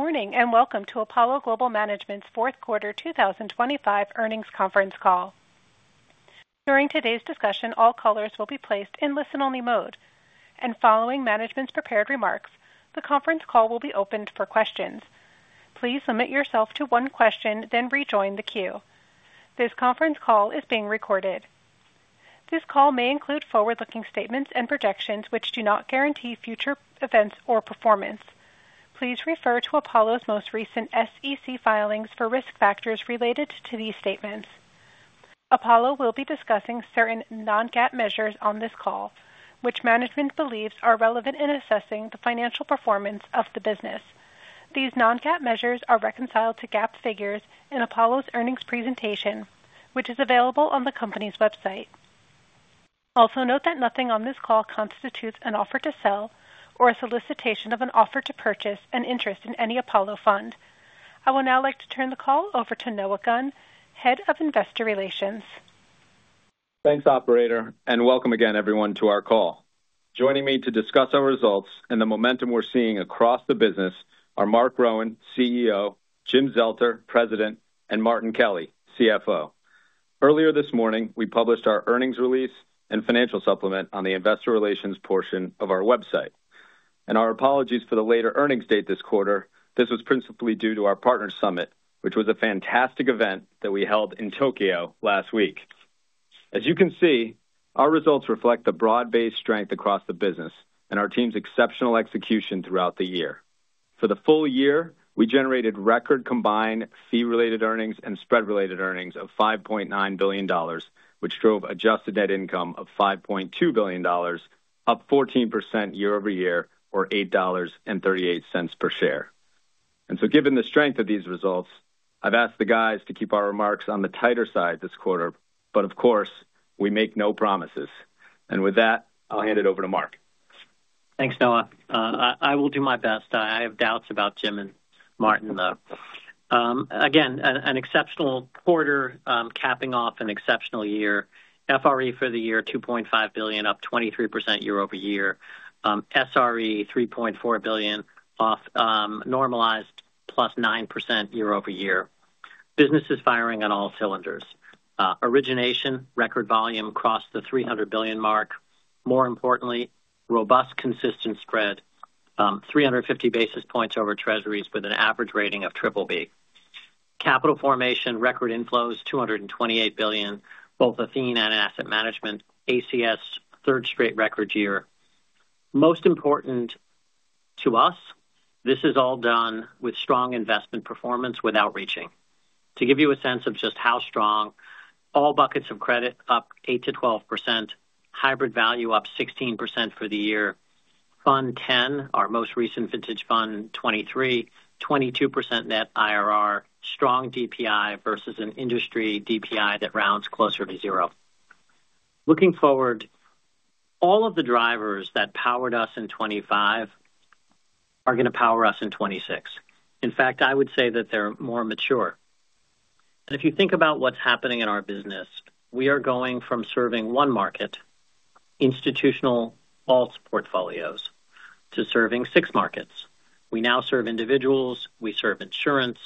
Good morning and welcome to Apollo Global Management's fourth quarter 2025 earnings conference call. During today's discussion, all callers will be placed in listen-only mode, and following management's prepared remarks, the conference call will be opened for questions. Please limit yourself to one question, then rejoin the queue. This conference call is being recorded. This call may include forward-looking statements and projections which do not guarantee future events or performance. Please refer to Apollo's most recent SEC filings for risk factors related to these statements. Apollo will be discussing certain non-GAAP measures on this call, which management believes are relevant in assessing the financial performance of the business. These non-GAAP measures are reconciled to GAAP figures in Apollo's earnings presentation, which is available on the company's website. Also note that nothing on this call constitutes an offer to sell or a solicitation of an offer to purchase an interest in any Apollo Fund. I would now like to turn the call over to Noah Gunn, Head of Investor Relations. Thanks, operator, and welcome again, everyone, to our call. Joining me to discuss our results and the momentum we're seeing across the business are Marc Rowan, CEO; Jim Zelter, President; and Martin Kelly, CFO. Earlier this morning, we published our earnings release and financial supplement on the investor relations portion of our website. Our apologies for the later earnings date this quarter; this was principally due to our partner summit, which was a fantastic event that we held in Tokyo last week. As you can see, our results reflect the broad-based strength across the business and our team's exceptional execution throughout the year. For the full year, we generated record combined fee-related earnings and spread-related earnings of $5.9 billion, which drove adjusted net income of $5.2 billion, up 14% year-over-year or $8.38 per share. So, given the strength of these results, I've asked the guys to keep our remarks on the tighter side this quarter, but of course, we make no promises. With that, I'll hand it over to Marc. Thanks, Noah. I will do my best. I have doubts about Jim and Martin, though. Again, an exceptional quarter capping off an exceptional year. FRE for the year, $2.5 billion, up 23% year over year. SRE, $3.4 billion, off normalized plus 9% year over year. Business is firing on all cylinders. Origination, record volume, crossed the $300 billion mark. More importantly, robust consistent spread, 350 basis points over treasuries with an average rating of BBB. Capital formation, record inflows, $228 billion, both Athene and Asset Management, ACS, third straight record year. Most important to us, this is all done with strong investment performance without reaching. To give you a sense of just how strong: all buckets of credit up 8%-12%, hybrid value up 16% for the year, Fund 10, our most recent vintage fund, 23, 22% net IRR, strong DPI versus an industry DPI that rounds closer to zero. Looking forward, all of the drivers that powered us in 2025 are going to power us in 2026. In fact, I would say that they're more mature. If you think about what's happening in our business, we are going from serving one market, institutional wealth portfolios, to serving six markets. We now serve individuals, we serve insurance,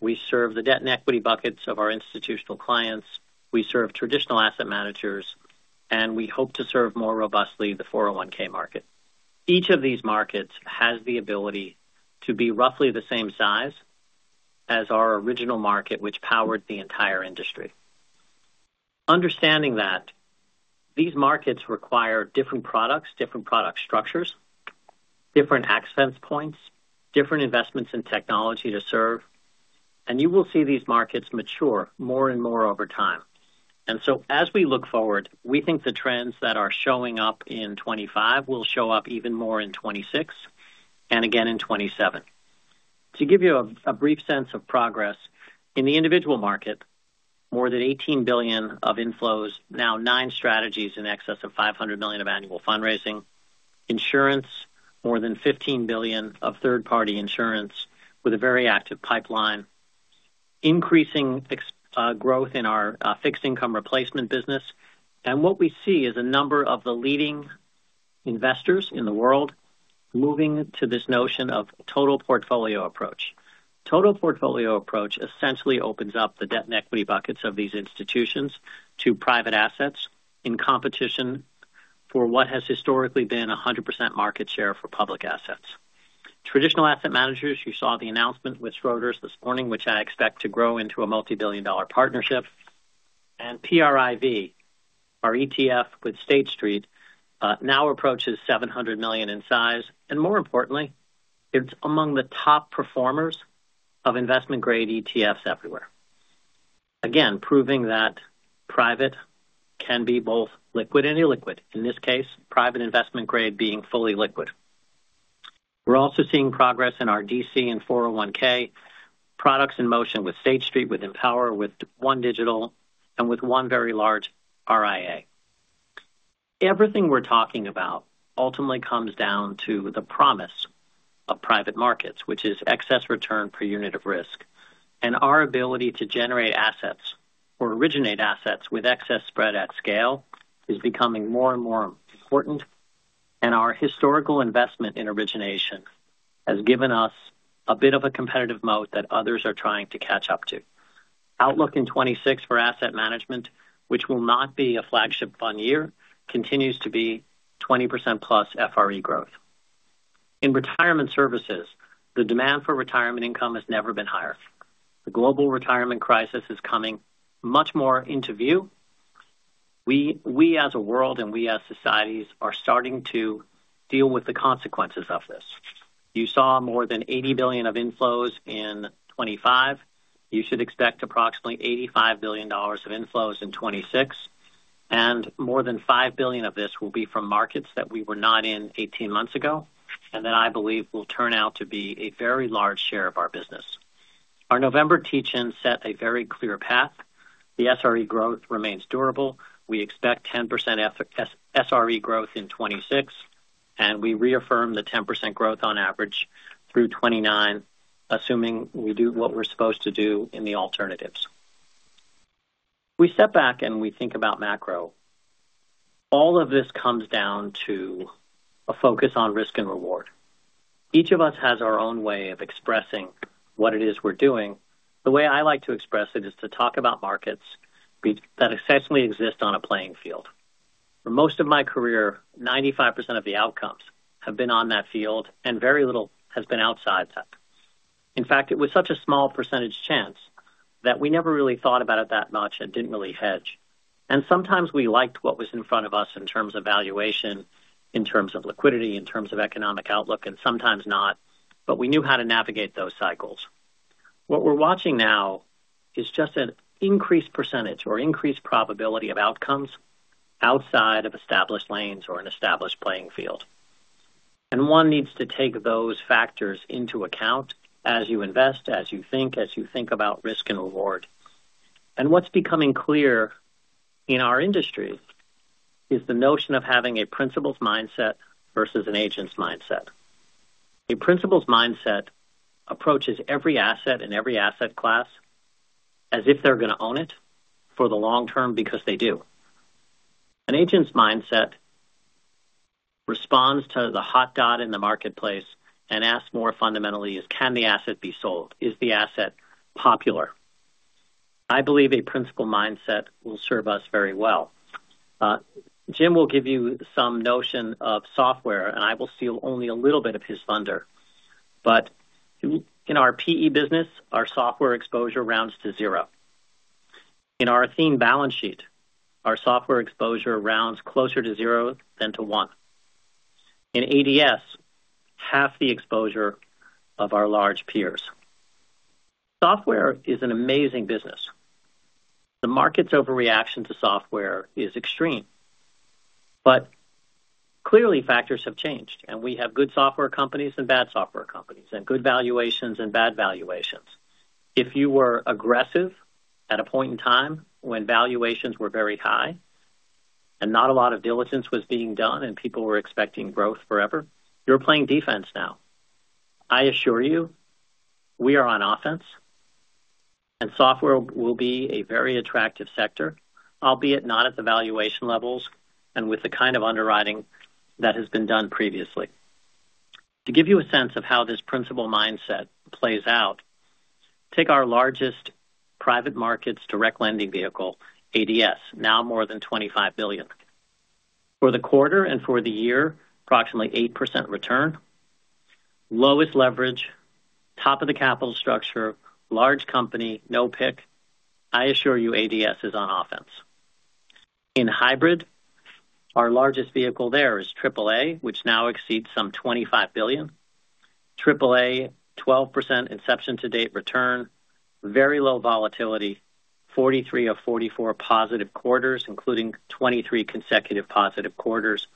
we serve the debt and equity buckets of our institutional clients, we serve traditional asset managers, and we hope to serve more robustly the 401(k) market. Each of these markets has the ability to be roughly the same size as our original market which powered the entire industry. Understanding that, these markets require different products, different product structures, different access points, different investments in technology to serve, and you will see these markets mature more and more over time. And so as we look forward, we think the trends that are showing up in 2025 will show up even more in 2026 and again in 2027. To give you a brief sense of progress, in the individual market, more than $18 billion of inflows, now nine strategies in excess of $500 million of annual fundraising. Insurance, more than $15 billion of third-party insurance with a very active pipeline. Increasing growth in our fixed income replacement business. What we see is a number of the leading investors in the world moving to this notion of total portfolio approach. Total portfolio approach essentially opens up the debt and equity buckets of these institutions to private assets in competition for what has historically been 100% market share for public assets. Traditional asset managers, you saw the announcement with Schroders this morning which I expect to grow into a multibillion-dollar partnership. And PRIV, our ETF with State Street, now approaches $700 million in size and, more importantly, it's among the top performers of investment-grade ETFs everywhere. Again, proving that private can be both liquid and illiquid, in this case, private investment-grade being fully liquid. We're also seeing progress in our DC and 401(k) products in motion with State Street, with Empower, with OneDigital, and with one very large RIA. Everything we're talking about ultimately comes down to the promise of private markets, which is excess return per unit of risk. Our ability to generate assets or originate assets with excess spread at scale is becoming more and more important, and our historical investment in origination has given us a bit of a competitive moat that others are trying to catch up to. Outlook in 2026 for asset management, which will not be a flagship fund year, continues to be 20%+ FRE growth. In retirement services, the demand for retirement income has never been higher. The global retirement crisis is coming much more into view. We, as a world and we as societies, are starting to deal with the consequences of this. You saw more than $80 billion of inflows in 2025. You should expect approximately $85 billion of inflows in 2026. More than $5 billion of this will be from markets that we were not in 18 months ago and that I believe will turn out to be a very large share of our business. Our November teach-in set a very clear path. The SRE growth remains durable. We expect 10% SRE growth in 2026, and we reaffirm the 10% growth on average through 2029, assuming we do what we're supposed to do in the alternatives. If we step back and we think about macro, all of this comes down to a focus on risk and reward. Each of us has our own way of expressing what it is we're doing. The way I like to express it is to talk about markets that essentially exist on a playing field. For most of my career, 95% of the outcomes have been on that field and very little has been outside that. In fact, it was such a small percentage chance that we never really thought about it that much and didn't really hedge. Sometimes we liked what was in front of us in terms of valuation, in terms of liquidity, in terms of economic outlook, and sometimes not, but we knew how to navigate those cycles. What we're watching now is just an increased percentage or increased probability of outcomes outside of established lanes or an established playing field. One needs to take those factors into account as you invest, as you think, as you think about risk and reward. What's becoming clear in our industry is the notion of having a principles mindset versus an agents mindset. A principal's mindset approaches every asset and every asset class as if they're going to own it for the long term because they do. An agent's mindset responds to the hot spot in the marketplace and asks more fundamentally, can the asset be sold? Is the asset popular? I believe a principal's mindset will serve us very well. Jim will give you some notion of software, and I will steal only a little bit of his thunder. But in our PE business, our software exposure rounds to zero. In our Athene balance sheet, our software exposure rounds closer to zero than to one. In ADS, half the exposure of our large peers. Software is an amazing business. The market's overreaction to software is extreme. But clearly, factors have changed, and we have good software companies and bad software companies and good valuations and bad valuations. If you were aggressive at a point in time when valuations were very high and not a lot of diligence was being done and people were expecting growth forever, you're playing defense now. I assure you, we are on offense, and software will be a very attractive sector, albeit not at the valuation levels and with the kind of underwriting that has been done previously. To give you a sense of how this principle mindset plays out, take our largest private markets direct lending vehicle, ADS, now more than $25 billion. For the quarter and for the year, approximately 8% return. Lowest leverage, top of the capital structure, large company, no PIK. I assure you ADS is on offense. In hybrid, our largest vehicle there is AAA, which now exceeds some $25 billion. AAA, 12% inception to date return, very low volatility, 43 of 44 positive quarters, including 23 consecutive positive quarters.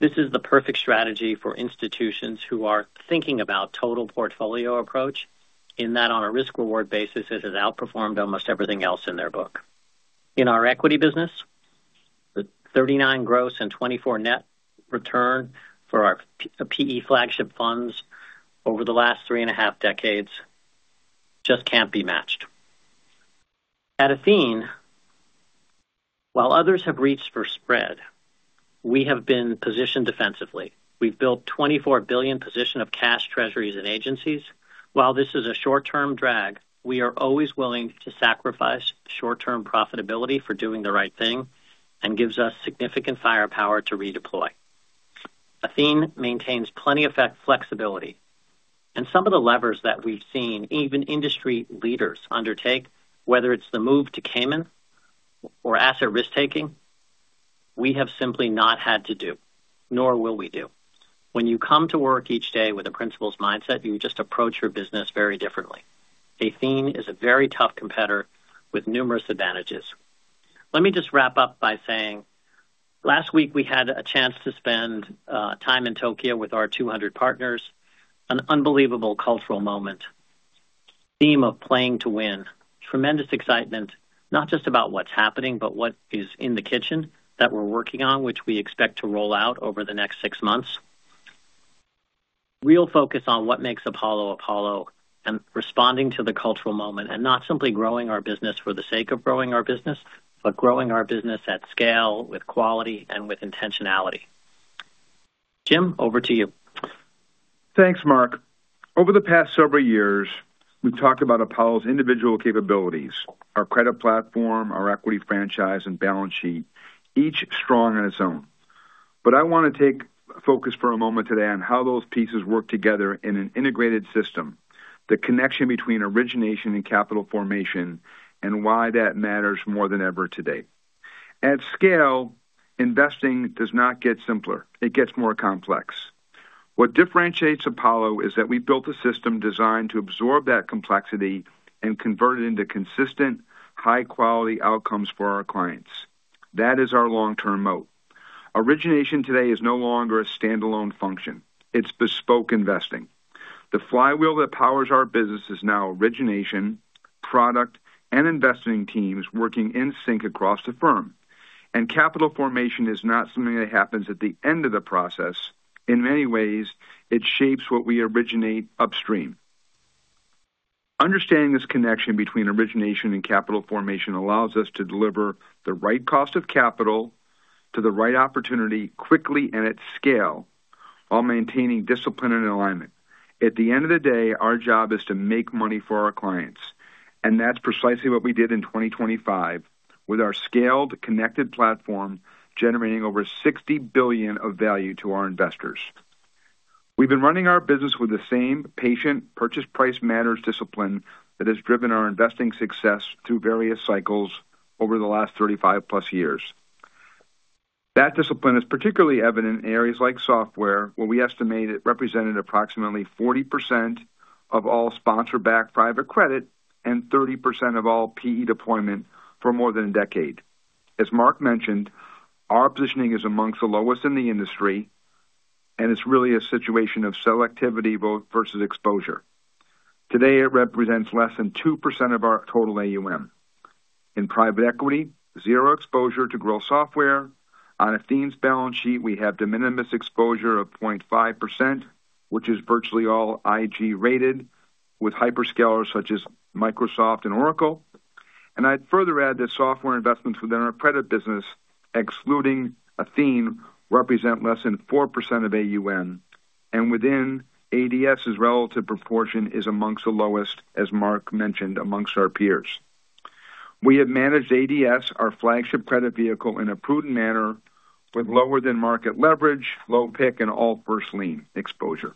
This is the perfect strategy for institutions who are thinking about total portfolio approach in that on a risk-reward basis, it has outperformed almost everything else in their book. In our equity business, the 39% gross and 24% net return for our PE flagship funds over the last 3.5 decades just can't be matched. At Athene, while others have reached for spread, we have been positioned defensively. We've built $24 billion position of cash treasuries and agencies. While this is a short-term drag, we are always willing to sacrifice short-term profitability for doing the right thing, and it gives us significant firepower to redeploy. Athene maintains plenty of flexibility. Some of the levers that we've seen even industry leaders undertake, whether it's the move to Cayman or asset risk-taking, we have simply not had to do, nor will we do. When you come to work each day with a principles mindset, you just approach your business very differently. Athene is a very tough competitor with numerous advantages. Let me just wrap up by saying, last week we had a chance to spend time in Tokyo with our 200 partners, an unbelievable cultural moment. Theme of playing to win. Tremendous excitement, not just about what's happening but what is in the kitchen that we're working on, which we expect to roll out over the next six months. Real focus on what makes Apollo Apollo and responding to the cultural moment and not simply growing our business for the sake of growing our business, but growing our business at scale with quality and with intentionality. Jim, over to you. Thanks, Marc. Over the past several years, we've talked about Apollo's individual capabilities, our credit platform, our equity franchise, and balance sheet, each strong on its own. But I want to take focus for a moment today on how those pieces work together in an integrated system, the connection between origination and capital formation, and why that matters more than ever today. At scale, investing does not get simpler. It gets more complex. What differentiates Apollo is that we built a system designed to absorb that complexity and convert it into consistent, high-quality outcomes for our clients. That is our long-term moat. Origination today is no longer a standalone function. It's bespoke investing. The flywheel that powers our business is now origination, product, and investing teams working in sync across the firm. And capital formation is not something that happens at the end of the process. In many ways, it shapes what we originate upstream. Understanding this connection between origination and capital formation allows us to deliver the right cost of capital to the right opportunity quickly and at scale while maintaining discipline and alignment. At the end of the day, our job is to make money for our clients. And that's precisely what we did in 2025 with our scaled, connected platform generating over $60 billion of value to our investors. We've been running our business with the same patient purchase price matters discipline that has driven our investing success through various cycles over the last 35+ years. That discipline is particularly evident in areas like software where we estimate it represented approximately 40% of all sponsor-backed private credit and 30% of all PE deployment for more than a decade. As Marc mentioned, our positioning is among the lowest in the industry, and it's really a situation of selectivity versus exposure. Today, it represents less than 2% of our total AUM. In private equity, zero exposure to gross software. On Athene's balance sheet, we have de minimis exposure of 0.5%, which is virtually all IG-rated with hyperscalers such as Microsoft and Oracle. And I'd further add that software investments within our credit business, excluding Athene, represent less than 4% of AUM. And within ADS, its relative proportion is among the lowest, as Marc mentioned, among our peers. We have managed ADS, our flagship credit vehicle, in a prudent manner with lower-than-market leverage, low PIK, and all first-lien exposure.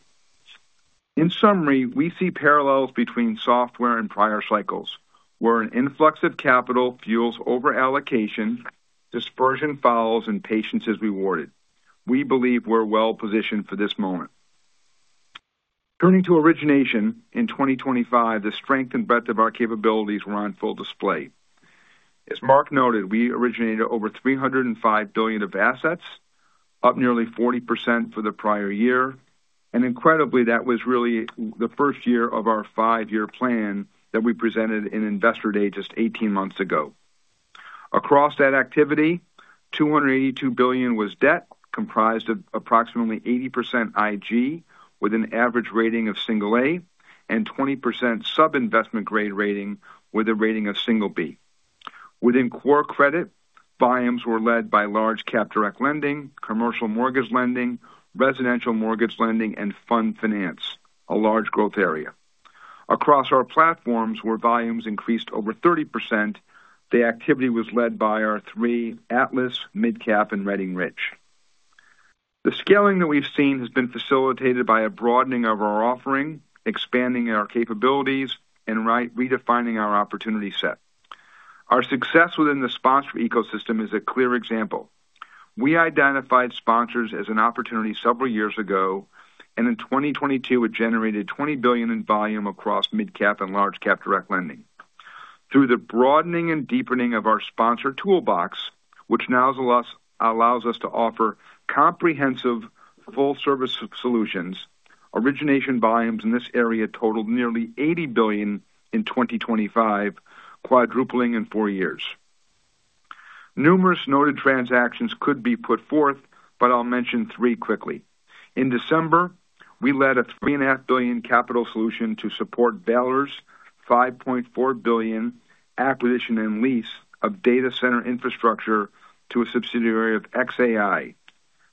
In summary, we see parallels between software and prior cycles where an influx of capital fuels overallocation, dispersion follows, and patience is rewarded. We believe we're well positioned for this moment. Turning to origination, in 2025, the strength and breadth of our capabilities were on full display. As Marc noted, we originated over $305 billion of assets, up nearly 40% for the prior year. And incredibly, that was really the first year of our five-year plan that we presented in investor day just 18 months ago. Across that activity, $282 billion was debt comprised of approximately 80% IG with an average rating of single A and 20% sub-investment-grade rating with a rating of single B. Within core credit, volumes were led by large-cap direct lending, commercial mortgage lending, residential mortgage lending, and fund finance, a large growth area. Across our platforms, where volumes increased over 30%, the activity was led by our three: Atlas, MidCap, and Redding Ridge. The scaling that we've seen has been facilitated by a broadening of our offering, expanding our capabilities, and redefining our opportunity set. Our success within the sponsor ecosystem is a clear example. We identified sponsors as an opportunity several years ago, and in 2022, it generated $20 billion in volume across MidCap and Large-Cap Direct Lending. Through the broadening and deepening of our sponsor toolbox, which now allows us to offer comprehensive, full-service solutions, origination volumes in this area totaled nearly $80 billion in 2025, quadrupling in four years. Numerous noted transactions could be put forth, but I'll mention three quickly. In December, we led a $3.5 billion capital solution to support Vantage's $5.4 billion acquisition and lease of data center infrastructure to a subsidiary of xAI.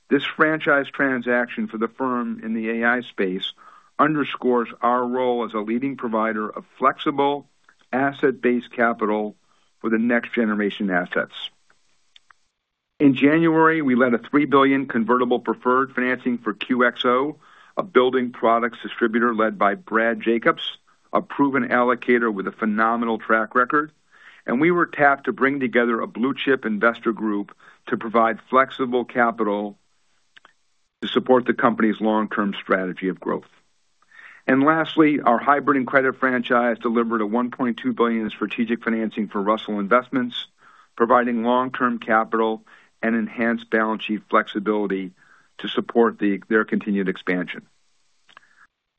This franchise transaction for the firm in the AI space underscores our role as a leading provider of flexible, asset-based capital for the next-generation assets. In January, we led a $3 billion convertible preferred financing for QXO, a building products distributor led by Brad Jacobs, a proven allocator with a phenomenal track record. We were tapped to bring together a blue-chip investor group to provide flexible capital to support the company's long-term strategy of growth. Lastly, our hybrid and credit franchise delivered a $1.2 billion strategic financing for Russell Investments, providing long-term capital and enhanced balance sheet flexibility to support their continued expansion.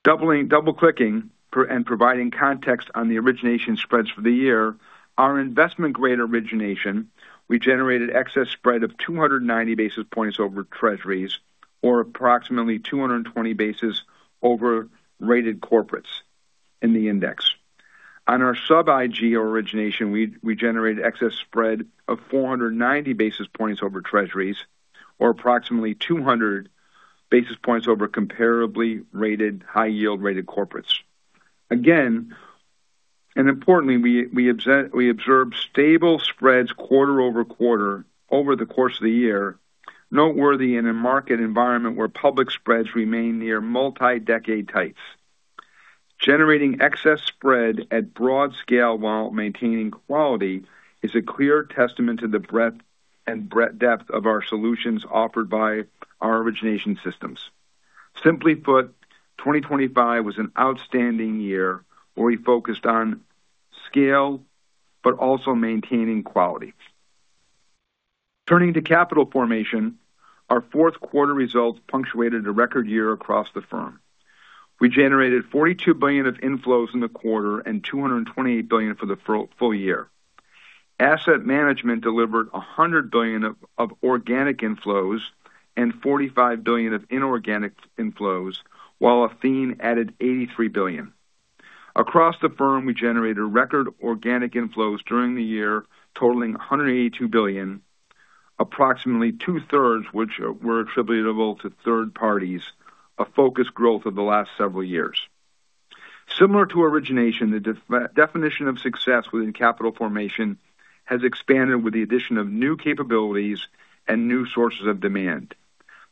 Double-clicking and providing context on the origination spreads for the year, our investment-grade origination, we generated excess spread of 290 basis points over treasuries or approximately 220 basis points over rated corporates in the index. On our sub-IG origination, we generated excess spread of 490 basis points over treasuries or approximately 200 basis points over comparably rated high-yield-rated corporates. Again, and importantly, we observed stable spreads quarter-over-quarter over the course of the year, noteworthy in a market environment where public spreads remain near multi-decade tights. Generating excess spread at broad scale while maintaining quality is a clear testament to the breadth and depth of our solutions offered by our origination systems. Simply put, 2025 was an outstanding year where we focused on scale but also maintaining quality. Turning to capital formation, our fourth quarter results punctuated a record year across the firm. We generated $42 billion of inflows in the quarter and $228 billion for the full year. Asset Management delivered $100 billion of organic inflows and $45 billion of inorganic inflows, while Athene added $83 billion. Across the firm, we generated record organic inflows during the year totaling $182 billion, approximately two-thirds which were attributable to third parties, a focused growth of the last several years. Similar to origination, the definition of success within capital formation has expanded with the addition of new capabilities and new sources of demand.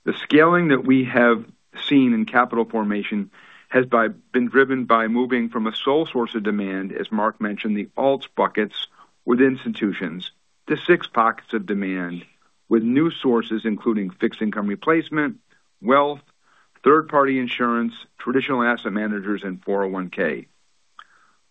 The scaling that we have seen in capital formation has been driven by moving from a sole source of demand, as Marc mentioned, the alt buckets with institutions, to six pockets of demand with new sources including fixed income replacement, wealth, third-party insurance, traditional asset managers, and 401(k).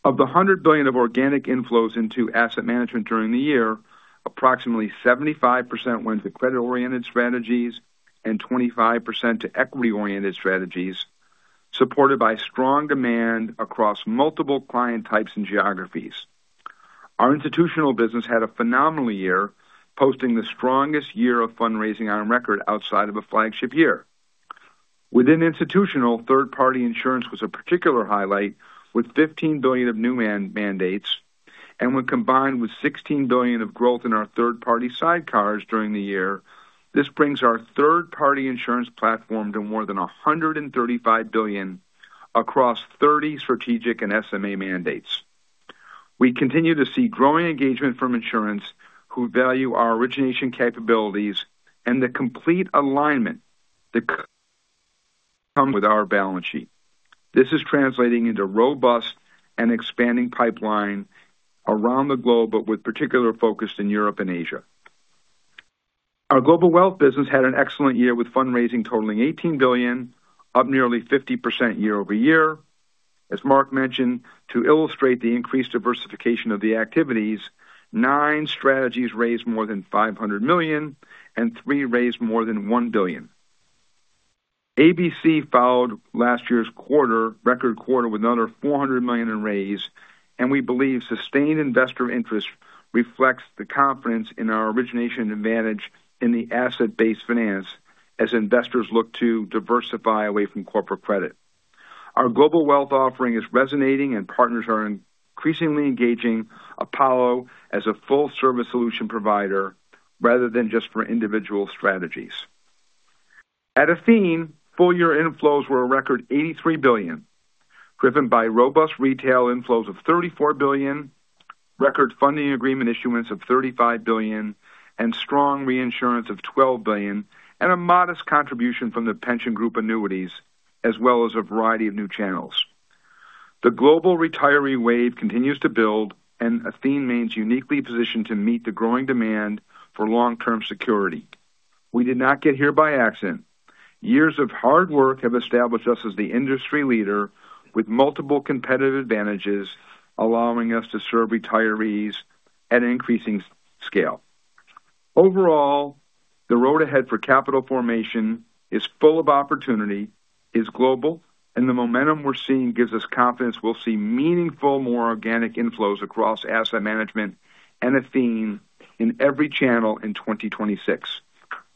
Of the $100 billion of organic inflows into asset management during the year, approximately 75% went to credit-oriented strategies and 25% to equity-oriented strategies supported by strong demand across multiple client types and geographies. Our institutional business had a phenomenal year posting the strongest year of fundraising on record outside of a flagship year. Within institutional, third-party insurance was a particular highlight with $15 billion of new mandates. When combined with $16 billion of growth in our third-party sidecars during the year, this brings our third-party insurance platform to more than $135 billion across 30 strategic and SMA mandates. We continue to see growing engagement from insurers who value our origination capabilities and the complete alignment that comes with our balance sheet. This is translating into a robust and expanding pipeline around the globe but with particular focus in Europe and Asia. Our global wealth business had an excellent year with fundraising totaling $18 billion, up nearly 50% year-over-year. As Marc mentioned, to illustrate the increased diversification of the activities, nine strategies raised more than $500 million, and three raised more than $1 billion. ABF followed last year's record quarter with another $400 million in raise, and we believe sustained investor interest reflects the confidence in our origination advantage in the asset-based finance as investors look to diversify away from corporate credit. Our global wealth offering is resonating, and partners are increasingly engaging Apollo as a full-service solution provider rather than just for individual strategies. At Athene, full-year inflows were a record $83 billion driven by robust retail inflows of $34 billion, record funding agreement issuance of $35 billion, and strong reinsurance of $12 billion, and a modest contribution from the pension group annuities as well as a variety of new channels. The global retiree wave continues to build, and Athene remains uniquely positioned to meet the growing demand for long-term security. We did not get here by accident. Years of hard work have established us as the industry leader with multiple competitive advantages allowing us to serve retirees at increasing scale. Overall, the road ahead for capital formation is full of opportunity, is global, and the momentum we're seeing gives us confidence we'll see meaningful more organic inflows across asset management and Athene in every channel in 2026.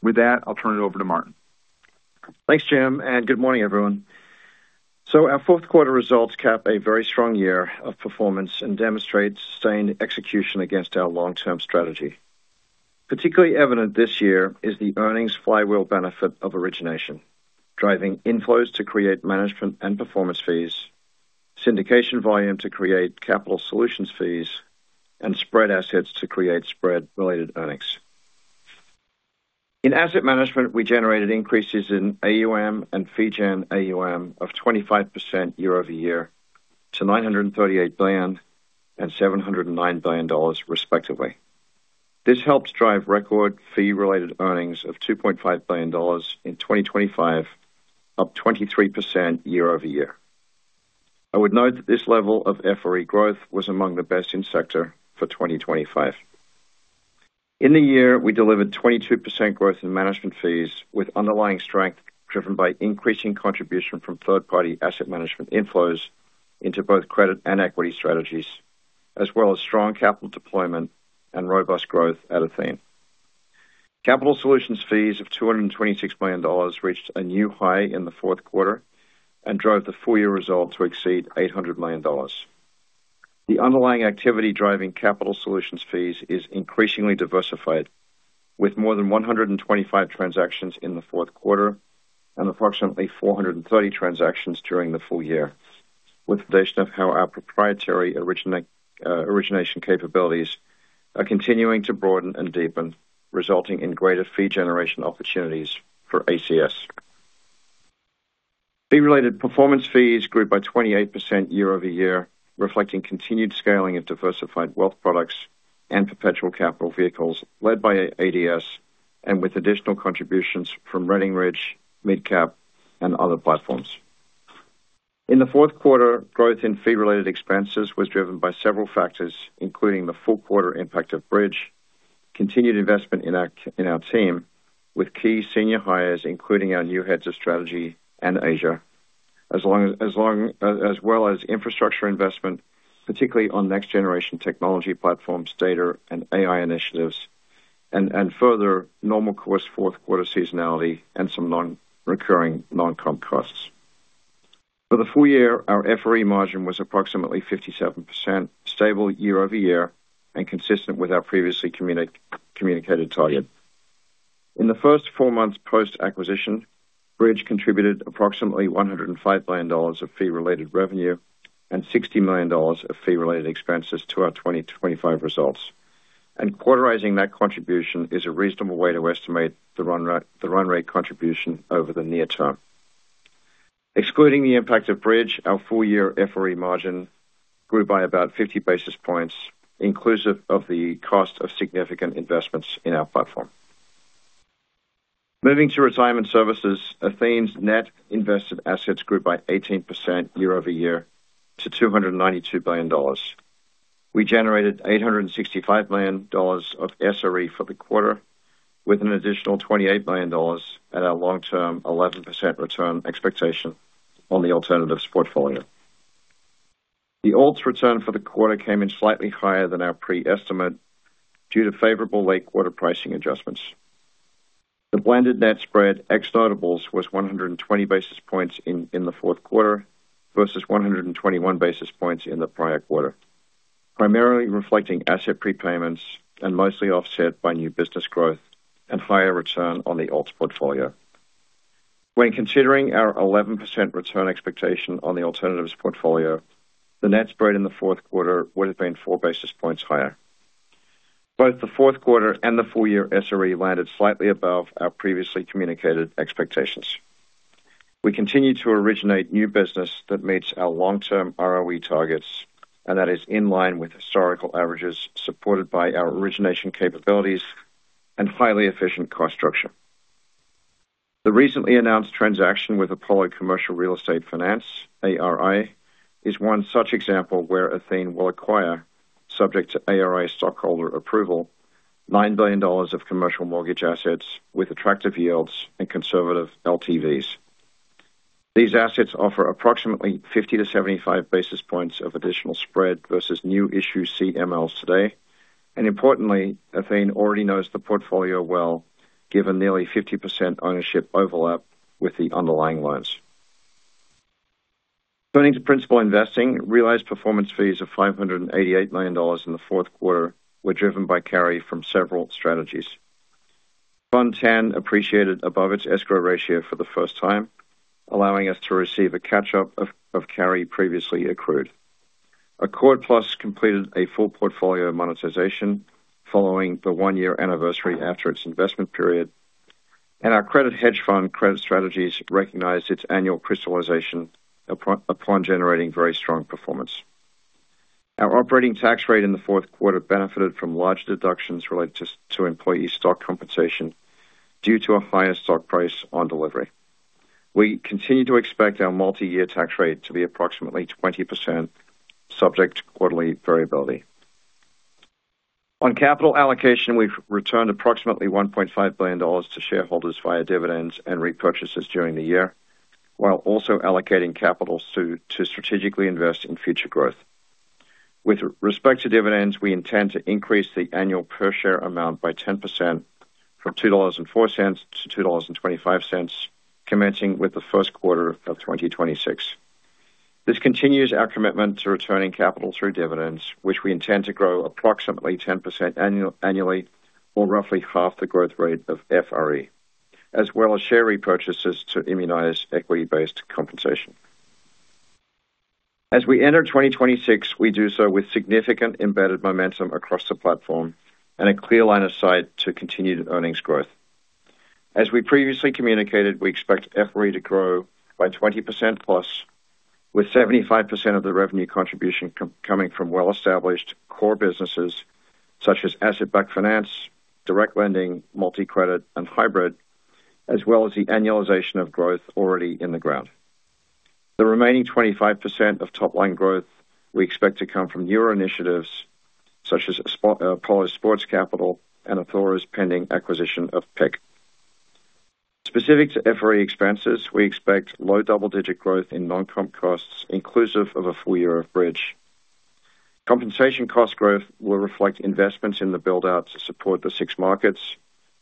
With that, I'll turn it over to Martin. Thanks, Jim, and good morning, everyone. Our fourth quarter results cap a very strong year of performance and demonstrate sustained execution against our long-term strategy. Particularly evident this year is the earnings flywheel benefit of origination, driving inflows to create management and performance fees, syndication volume to create capital solutions fees, and spread assets to create spread-related earnings. In asset management, we generated increases in AUM and fee-gen AUM of 25% year-over-year to $938 billion and $709 billion, respectively. This helped drive record fee-related earnings of $2.5 billion in 2025, up 23% year over year. I would note that this level of FRE growth was among the best in sector for 2025. In the year, we delivered 22% growth in management fees with underlying strength driven by increasing contribution from third-party asset management inflows into both credit and equity strategies as well as strong capital deployment and robust growth at Athene. Capital solutions fees of $226 million reached a new high in the fourth quarter and drove the full-year result to exceed $800 million. The underlying activity driving capital solutions fees is increasingly diversified with more than 125 transactions in the fourth quarter and approximately 430 transactions during the full year, with indication of how our proprietary origination capabilities are continuing to broaden and deepen, resulting in greater fee generation opportunities for ACS. Fee-related performance fees grew by 28% year-over-year, reflecting continued scaling of diversified wealth products and perpetual capital vehicles led by ADS and with additional contributions from Redding Ridge, MidCap, and other platforms. In the fourth quarter, growth in fee-related expenses was driven by several factors including the full quarter impact of Bridge, continued investment in our team with key senior hires including our new heads of strategy and Asia, as well as infrastructure investment particularly on next-generation technology platforms, data, and AI initiatives, and further normal course fourth quarter seasonality and some recurring non-comp costs. For the full year, our FRE margin was approximately 57%, stable year-over-year, and consistent with our previously communicated target. In the first four months post-acquisition, Bridge contributed approximately $105 million of fee-related revenue and $60 million of fee-related expenses to our 2025 results. Quarterizing that contribution is a reasonable way to estimate the run rate contribution over the near term. Excluding the impact of Bridge, our full-year FRE margin grew by about 50 basis points inclusive of the cost of significant investments in our platform. Moving to retirement services, Athene's net invested assets grew by 18% year-over-year to $292 billion. We generated $865 million of SRE for the quarter with an additional $28 million at our long-term 11% return expectation on the alternative's portfolio. The alt's return for the quarter came in slightly higher than our pre-estimate due to favorable late quarter pricing adjustments. The blended net spread ex notables was 120 basis points in the fourth quarter versus 121 basis points in the prior quarter, primarily reflecting asset prepayments and mostly offset by new business growth and higher return on the alt's portfolio. When considering our 11% return expectation on the alternative's portfolio, the net spread in the fourth quarter would have been four basis points higher. Both the fourth quarter and the full-year SRE landed slightly above our previously communicated expectations. We continue to originate new business that meets our long-term ROE targets, and that is in line with historical averages supported by our origination capabilities and highly efficient cost structure. The recently announced transaction with Apollo Commercial Real Estate Finance, ARI, is one such example where Athene will acquire, subject to ARI stockholder approval, $9 billion of commercial mortgage assets with attractive yields and conservative LTVs. These assets offer approximately 50-75 basis points of additional spread versus new issued CMLs today. And importantly, Athene already knows the portfolio well given nearly 50% ownership overlap with the underlying loans. Turning to principal investing, realized performance fees of $588 million in the fourth quarter were driven by carry from several strategies. Fund 10 appreciated above its escrow ratio for the first time, allowing us to receive a catch-up of carry previously accrued. Athora plus completed a full portfolio monetization following the one-year anniversary after its investment period. And our credit hedge fund credit strategies recognized its annual crystallization upon generating very strong performance. Our operating tax rate in the fourth quarter benefited from large deductions related to employee stock compensation due to a higher stock price on delivery. We continue to expect our multi-year tax rate to be approximately 20% subject to quarterly variability. On capital allocation, we've returned approximately $1.5 billion to shareholders via dividends and repurchases during the year while also allocating capital to strategically invest in future growth. With respect to dividends, we intend to increase the annual per-share amount by 10% from $2.04 to $2.25, commencing with the first quarter of 2026. This continues our commitment to returning capital through dividends, which we intend to grow approximately 10% annually or roughly half the growth rate of FRE, as well as share repurchases to immunize equity-based compensation. As we enter 2026, we do so with significant embedded momentum across the platform and a clear line of sight to continued earnings growth. As we previously communicated, we expect FRE to grow by 20+% with 75% of the revenue contribution coming from well-established core businesses such as asset-backed finance, direct lending, multi-credit, and hybrid, as well as the annualization of growth already in the ground. The remaining 25% of top-line growth we expect to come from newer initiatives such as Apollo Sports Capital and Athora's pending acquisition of PIC. Specific to FRE expenses, we expect low double-digit growth in non-comp costs inclusive of a full year of Bridge. Compensation cost growth will reflect investments in the build-out to support the six markets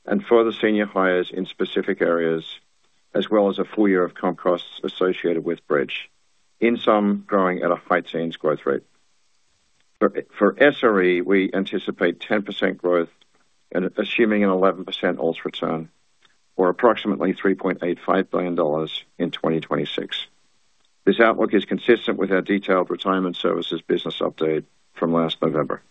and further senior hires in specific areas as well as a full year of comp costs associated with Bridge, in sum growing at a high-teens growth rate. For SRE, we anticipate 10% growth assuming an 11% alts return or approximately $3.85 billion in 2026. This outlook is consistent with our detailed retirement services business update from last November.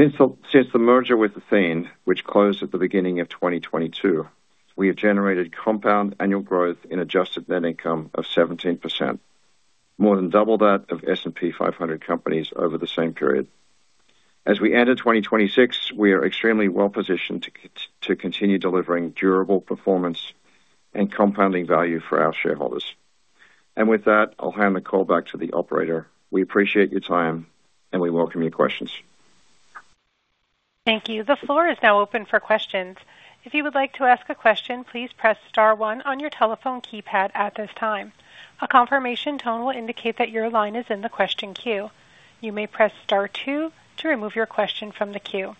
Since the merger with Athene, which closed at the beginning of 2022, we have generated compound annual growth in adjusted net income of 17%, more than double that of S&P 500 companies over the same period. As we enter 2026, we are extremely well-positioned to continue delivering durable performance and compounding value for our shareholders. With that, I'll hand the call back to the operator. We appreciate your time, and we welcome your questions. Thank you. The floor is now open for questions. If you would like to ask a question, please press star one on your telephone keypad at this time. A confirmation tone will indicate that your line is in the question queue. You may press star two to remove your question from the queue.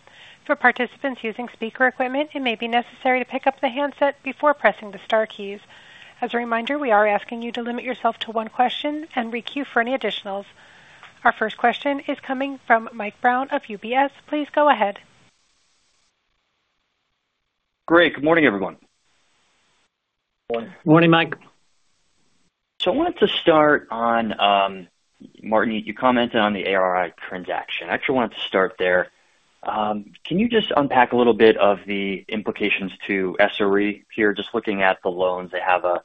For participants using speaker equipment, it may be necessary to pick up the handset before pressing the star keys. As a reminder, we are asking you to limit yourself to one question and requeue for any additionals. Our first question is coming from Mike Brown of UBS. Please go ahead. Great. Good morning, everyone. Good morning, Mike. So I wanted to start on Martin. You commented on the ARI transaction. I actually wanted to start there. Can you just unpack a little bit of the implications to SRE here? Just looking at the loans, they have a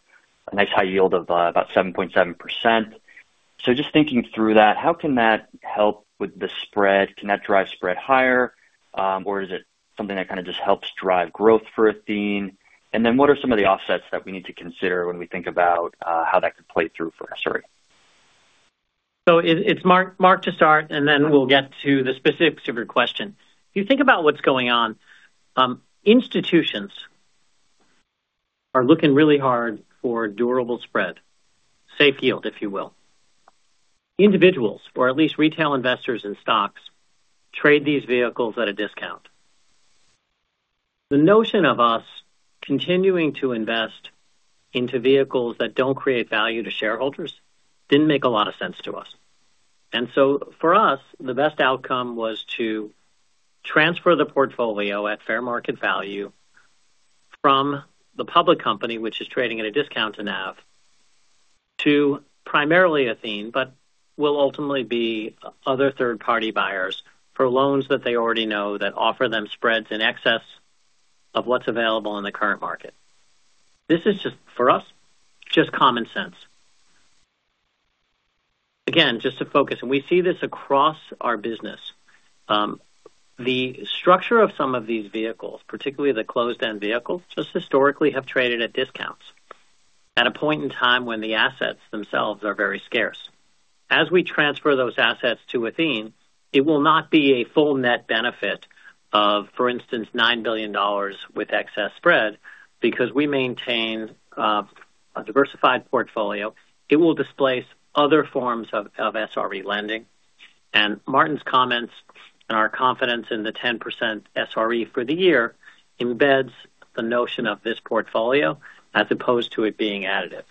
nice high yield of about 7.7%. So just thinking through that, how can that help with the spread? Can that drive spread higher, or is it something that kind of just helps drive growth for Athene? And then what are some of the offsets that we need to consider when we think about how that could play through for SRE? So it's Marc. Mike to start, and then we'll get to the specifics of your question. If you think about what's going on, institutions are looking really hard for durable spread, safe yield, if you will. Individuals, or at least retail investors in stocks, trade these vehicles at a discount. The notion of us continuing to invest into vehicles that don't create value to shareholders didn't make a lot of sense to us. And so for us, the best outcome was to transfer the portfolio at fair market value from the public company, which is trading at a discount to NAV, to primarily Athene but will ultimately be other third-party buyers for loans that they already know that offer them spreads in excess of what's available in the current market. This is just, for us, just common sense. Again, just to focus, and we see this across our business, the structure of some of these vehicles, particularly the closed-end vehicles, just historically have traded at discounts at a point in time when the assets themselves are very scarce. As we transfer those assets to Athene, it will not be a full net benefit of, for instance, $9 billion with excess spread because we maintain a diversified portfolio. It will displace other forms of SRE lending. And Martin's comments and our confidence in the 10% SRE for the year embeds the notion of this portfolio as opposed to it being additive.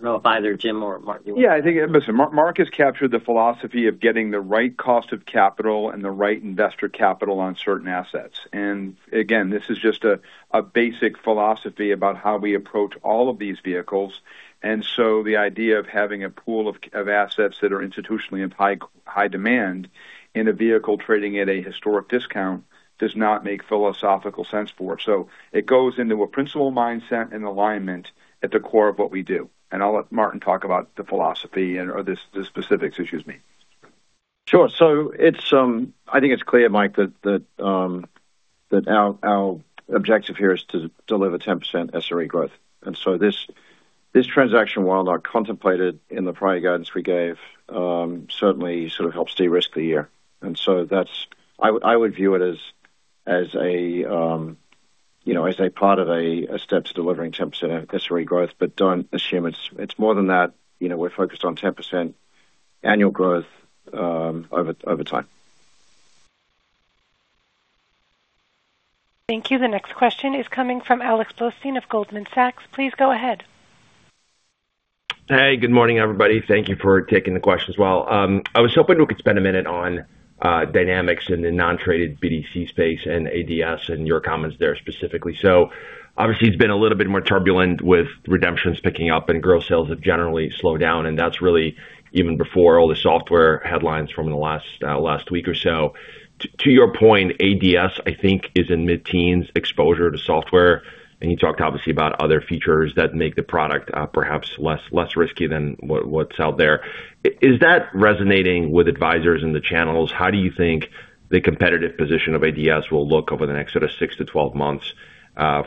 I don't know if either Jim or Martin. Yeah. I think, listen, Marc has captured the philosophy of getting the right cost of capital and the right investor capital on certain assets. And again, this is just a basic philosophy about how we approach all of these vehicles. And so the idea of having a pool of assets that are institutionally of high demand in a vehicle trading at a historic discount does not make philosophical sense for it. So it goes into a principal mindset and alignment at the core of what we do. And I'll let Martin talk about the philosophy or the specifics, excuse me. Sure. So I think it's clear, Mike, that our objective here is to deliver 10% SRE growth. And so this transaction, while not contemplated in the prior guidance we gave, certainly sort of helps de-risk the year. And so I would view it as a part of a step to delivering 10% SRE growth, but don't assume it's more than that. We're focused on 10% annual growth over time. Thank you. The next question is coming from Alex Blostein of Goldman Sachs Group, Inc. Please go ahead. Hey. Good morning, everybody. Thank you for taking the questions well. I was hoping we could spend a minute on dynamics in the non-traded BDC space and ADS and your comments there specifically. So obviously, it's been a little bit more turbulent with redemptions picking up and gross sales have generally slowed down. And that's really even before all the software headlines from the last week or so. To your point, ADS, I think, is in mid-teens exposure to software. And you talked, obviously, about other features that make the product perhaps less risky than what's out there. Is that resonating with advisors in the channels? How do you think the competitive position of ADS will look over the next sort of 6-12 months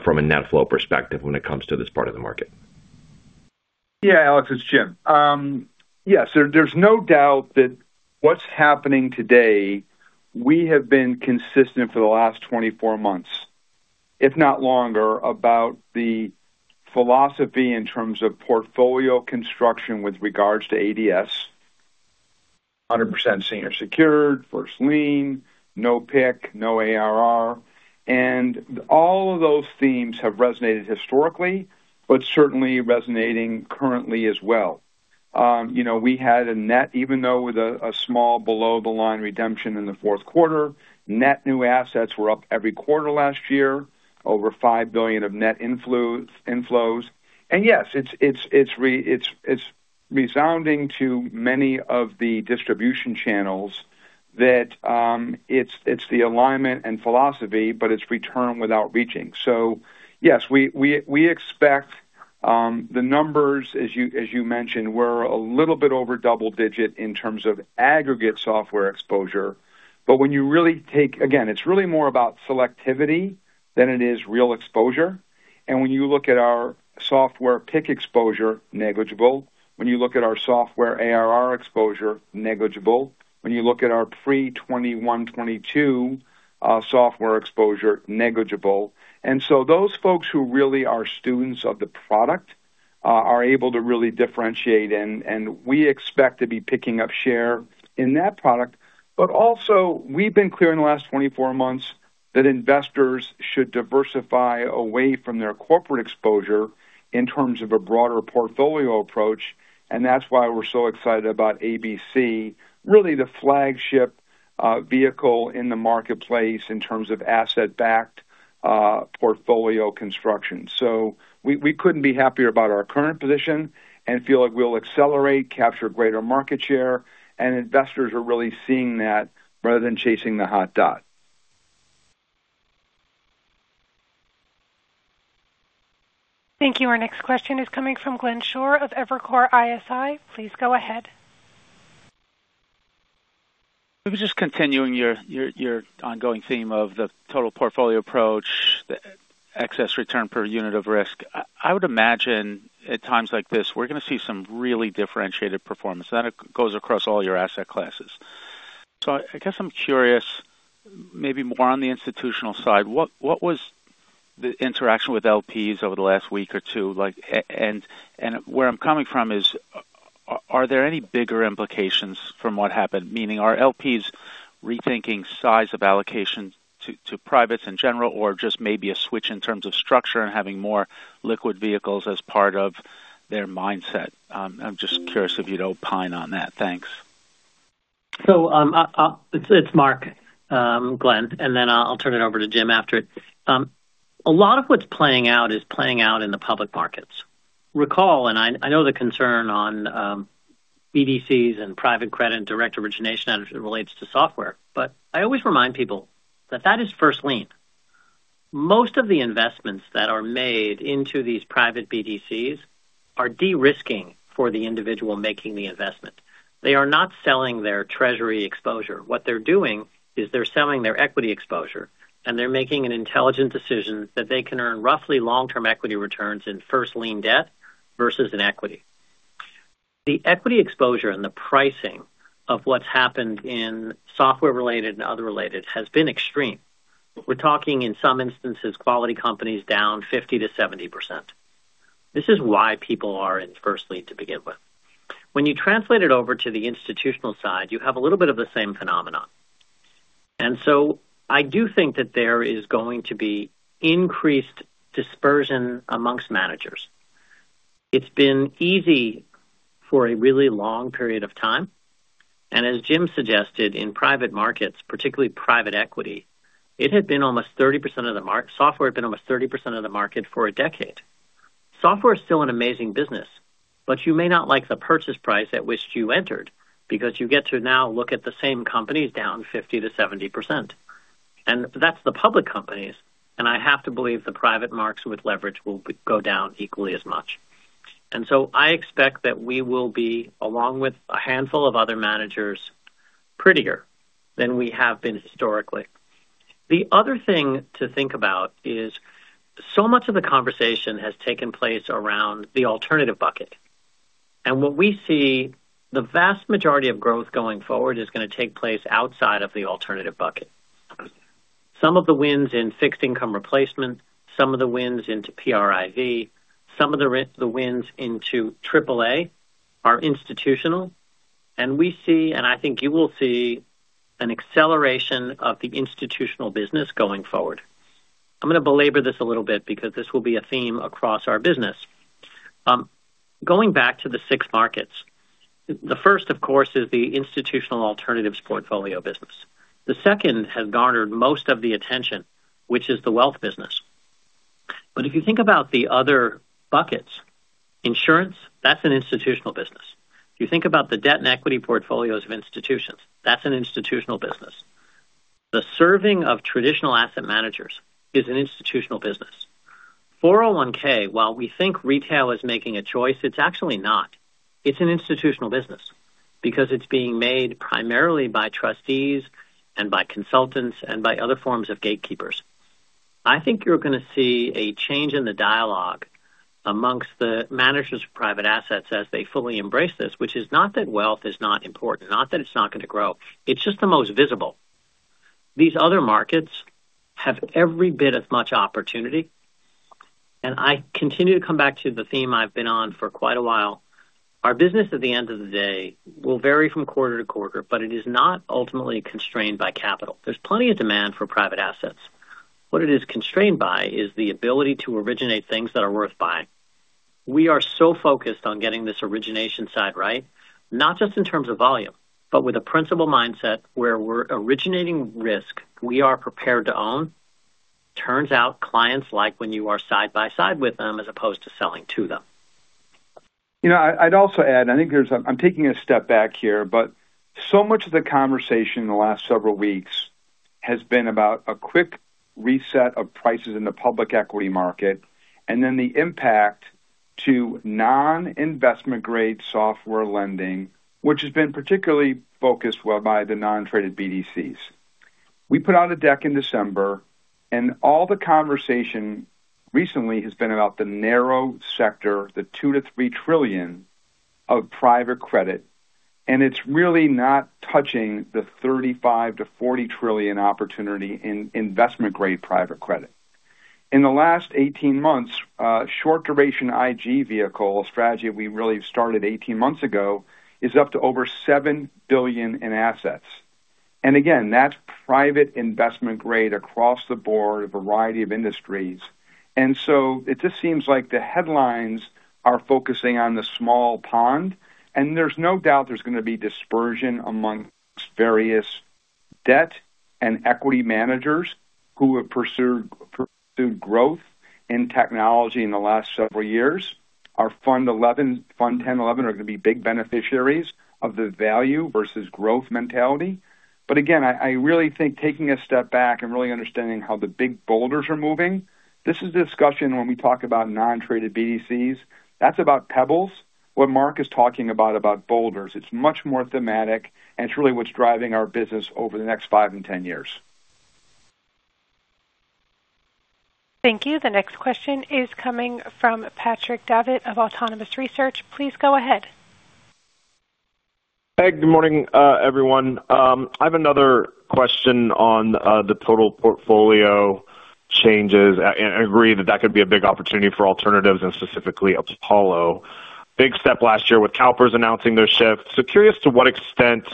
from a net flow perspective when it comes to this part of the market? Yeah, Alex. It's Jim. Yes. There's no doubt that what's happening today, we have been consistent for the last 24 months, if not longer, about the philosophy in terms of portfolio construction with regards to ADS: 100% senior secured, first lien, no PIK, no ARR. And all of those themes have resonated historically but certainly resonating currently as well. We had a net, even though with a small below-the-line redemption in the fourth quarter, net new assets were up every quarter last year, over $5 billion of net inflows. And yes, it's resounding to many of the distribution channels that it's the alignment and philosophy, but it's return without reaching. So yes, we expect the numbers, as you mentioned, were a little bit over double-digit in terms of aggregate software exposure. But when you really take again, it's really more about selectivity than it is real exposure. When you look at our software PIC exposure, negligible. When you look at our software ARR exposure, negligible. When you look at our pre-2021/2022 software exposure, negligible. So those folks who really are students of the product are able to really differentiate. We expect to be picking up share in that product. But also, we've been clear in the last 24 months that investors should diversify away from their corporate exposure in terms of a broader portfolio approach. That's why we're so excited about ABC, really the flagship vehicle in the marketplace in terms of asset-backed portfolio construction. We couldn't be happier about our current position and feel like we'll accelerate, capture greater market share. Investors are really seeing that rather than chasing the hot dot. Thank you. Our next question is coming from Glenn Schorr of Evercore ISI. Please go ahead. Maybe just continuing your ongoing theme of the total portfolio approach, the excess return per unit of risk, I would imagine at times like this, we're going to see some really differentiated performance. That goes across all your asset classes. So I guess I'm curious, maybe more on the institutional side, what was the interaction with LPs over the last week or two? And where I'm coming from is, are there any bigger implications from what happened? Meaning, are LPs rethinking size of allocation to privates in general or just maybe a switch in terms of structure and having more liquid vehicles as part of their mindset? I'm just curious if you'd opine on that. Thanks. So it's Marc, Glenn, and then I'll turn it over to Jim after it. A lot of what's playing out is playing out in the public markets. Recall, and I know the concern on BDCs and private credit and direct origination as it relates to software, but I always remind people that that is first lien. Most of the investments that are made into these private BDCs are de-risking for the individual making the investment. They are not selling their treasury exposure. What they're doing is they're selling their equity exposure, and they're making an intelligent decision that they can earn roughly long-term equity returns in first lien debt versus in equity. The equity exposure and the pricing of what's happened in software-related and other-related has been extreme. We're talking, in some instances, quality companies down 50%-70%. This is why people are in first lien to begin with. When you translate it over to the institutional side, you have a little bit of the same phenomenon. And so I do think that there is going to be increased dispersion amongst managers. It's been easy for a really long period of time. And as Jim suggested, in private markets, particularly private equity, it had been almost 30% of the software had been almost 30% of the market for a decade. Software is still an amazing business, but you may not like the purchase price at which you entered because you get to now look at the same companies down 50%-70%. And that's the public companies. And I have to believe the private marks with leverage will go down equally as much. And so I expect that we will be, along with a handful of other managers, prettier than we have been historically. The other thing to think about is so much of the conversation has taken place around the alternative bucket. And what we see, the vast majority of growth going forward is going to take place outside of the alternative bucket. Some of the wins in fixed income replacement, some of the wins into PRIV, some of the wins into AAA are institutional. And we see, and I think you will see, an acceleration of the institutional business going forward. I'm going to belabor this a little bit because this will be a theme across our business. Going back to the six markets, the first, of course, is the institutional alternatives portfolio business. The second has garnered most of the attention, which is the wealth business. But if you think about the other buckets, insurance, that's an institutional business. If you think about the debt and equity portfolios of institutions, that's an institutional business. The serving of traditional asset managers is an institutional business. 401(k), while we think retail is making a choice, it's actually not. It's an institutional business because it's being made primarily by trustees and by consultants and by other forms of gatekeepers. I think you're going to see a change in the dialogue amongst the managers of private assets as they fully embrace this, which is not that wealth is not important, not that it's not going to grow. It's just the most visible. These other markets have every bit as much opportunity. And I continue to come back to the theme I've been on for quite a while. Our business, at the end of the day, will vary from quarter to quarter, but it is not ultimately constrained by capital. There's plenty of demand for private assets. What it is constrained by is the ability to originate things that are worth buying. We are so focused on getting this origination side right, not just in terms of volume but with a principal mindset where we're originating risk we are prepared to own. Turns out, clients like when you are side by side with them as opposed to selling to them. I'd also add, and I think I'm taking a step back here, but so much of the conversation in the last several weeks has been about a quick reset of prices in the public equity market and then the impact to non-investment-grade software lending, which has been particularly focused well by the non-traded BDCs. We put out a deck in December, and all the conversation recently has been about the narrow sector, the $2 trillion-3 trillion of private credit. And it's really not touching the $35 trillion-40 trillion opportunity in investment-grade private credit. In the last 18 months, short-duration IG vehicle, a strategy that we really started 18 months ago, is up to over $7 billion in assets. And again, that's private investment-grade across the board, a variety of industries. And so it just seems like the headlines are focusing on the small pond. There's no doubt there's going to be dispersion amongst various debt and equity managers who have pursued growth in technology in the last several years. Our Fund 10/11 are going to be big beneficiaries of the value versus growth mentality. But again, I really think taking a step back and really understanding how the big boulders are moving, this is the discussion when we talk about non-traded BDCs. That's about pebbles. What Marc is talking about boulders, it's much more thematic, and it's really what's driving our business over the next 5 and 10 years. Thank you. The next question is coming from Patrick Davitt of Autonomous Research. Please go ahead. Hey. Good morning, everyone. I have another question on the total portfolio changes. And I agree that that could be a big opportunity for alternatives and specifically Apollo. Big step last year with CalPERS announcing their shift. So curious to what extent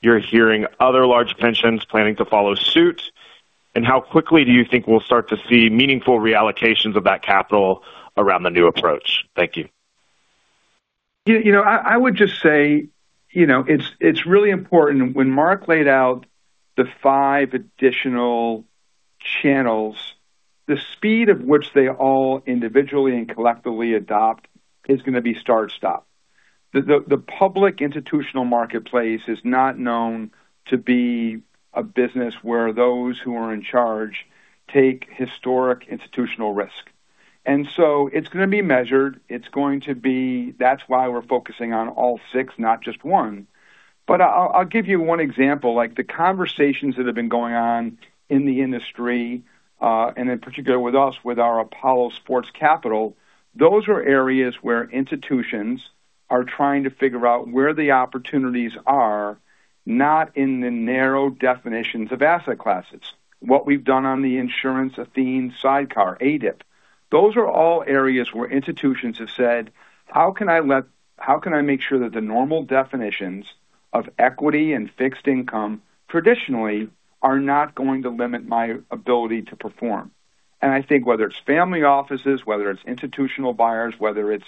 you're hearing other large pensions planning to follow suit. And how quickly do you think we'll start to see meaningful reallocations of that capital around the new approach? Thank you. I would just say it's really important when Marc laid out the five additional channels, the speed of which they all individually and collectively adopt is going to be start-stop. The public institutional marketplace is not known to be a business where those who are in charge take historic institutional risk. And so it's going to be measured. It's going to be. That's why we're focusing on all six, not just one. But I'll give you one example. The conversations that have been going on in the industry, and in particular with us with our Apollo Sports Capital, those are areas where institutions are trying to figure out where the opportunities are, not in the narrow definitions of asset classes. What we've done on the insurance Athene Sidecar, ADIP, those are all areas where institutions have said, "How can I make sure that the normal definitions of equity and fixed income traditionally are not going to limit my ability to perform?" And I think whether it's family offices, whether it's institutional buyers, whether it's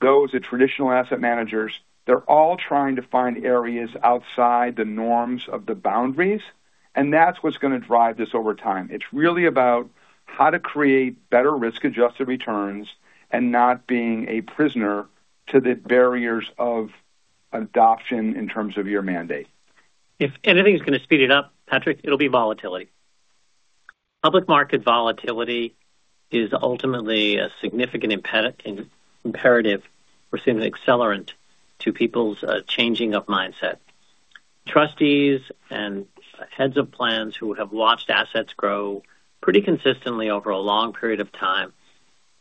those at traditional asset managers, they're all trying to find areas outside the norms of the boundaries. And that's what's going to drive this over time. It's really about how to create better risk-adjusted returns and not being a prisoner to the barriers of adoption in terms of your mandate. If anything's going to speed it up, Patrick, it'll be volatility. Public market volatility is ultimately a significant imperative. We're seeing an accelerant to people's changing of mindset. Trustees and heads of plans who have watched assets grow pretty consistently over a long period of time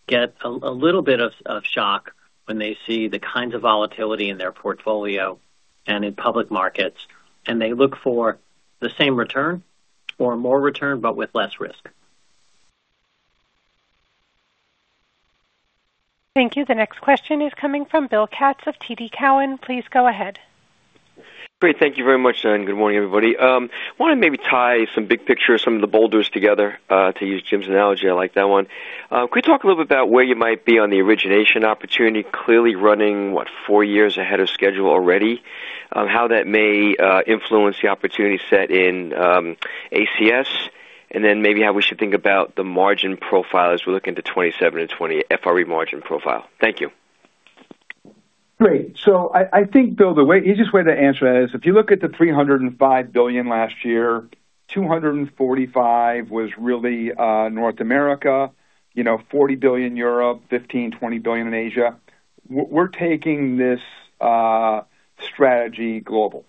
get a little bit of shock when they see the kinds of volatility in their portfolio and in public markets. They look for the same return or more return but with less risk. Thank you. The next question is coming from Bill Katz of TD Cowen. Please go ahead. Great. Thank you very much, and good morning, everybody. I want to maybe tie some big picture, some of the boulders together to use Jim's analogy. I like that one. Could you talk a little bit about where you might be on the origination opportunity, clearly running, what, 4 years ahead of schedule already, how that may influence the opportunity set in ACS, and then maybe how we should think about the margin profile as we look into 2027 and 2020, FRE margin profile? Thank you. Great. So I think, Bill, the easiest way to answer that is if you look at the $305 billion last year, $245 billion was really North America, $40 billion Europe, $15 million-$20 billion in Asia. We're taking this strategy global.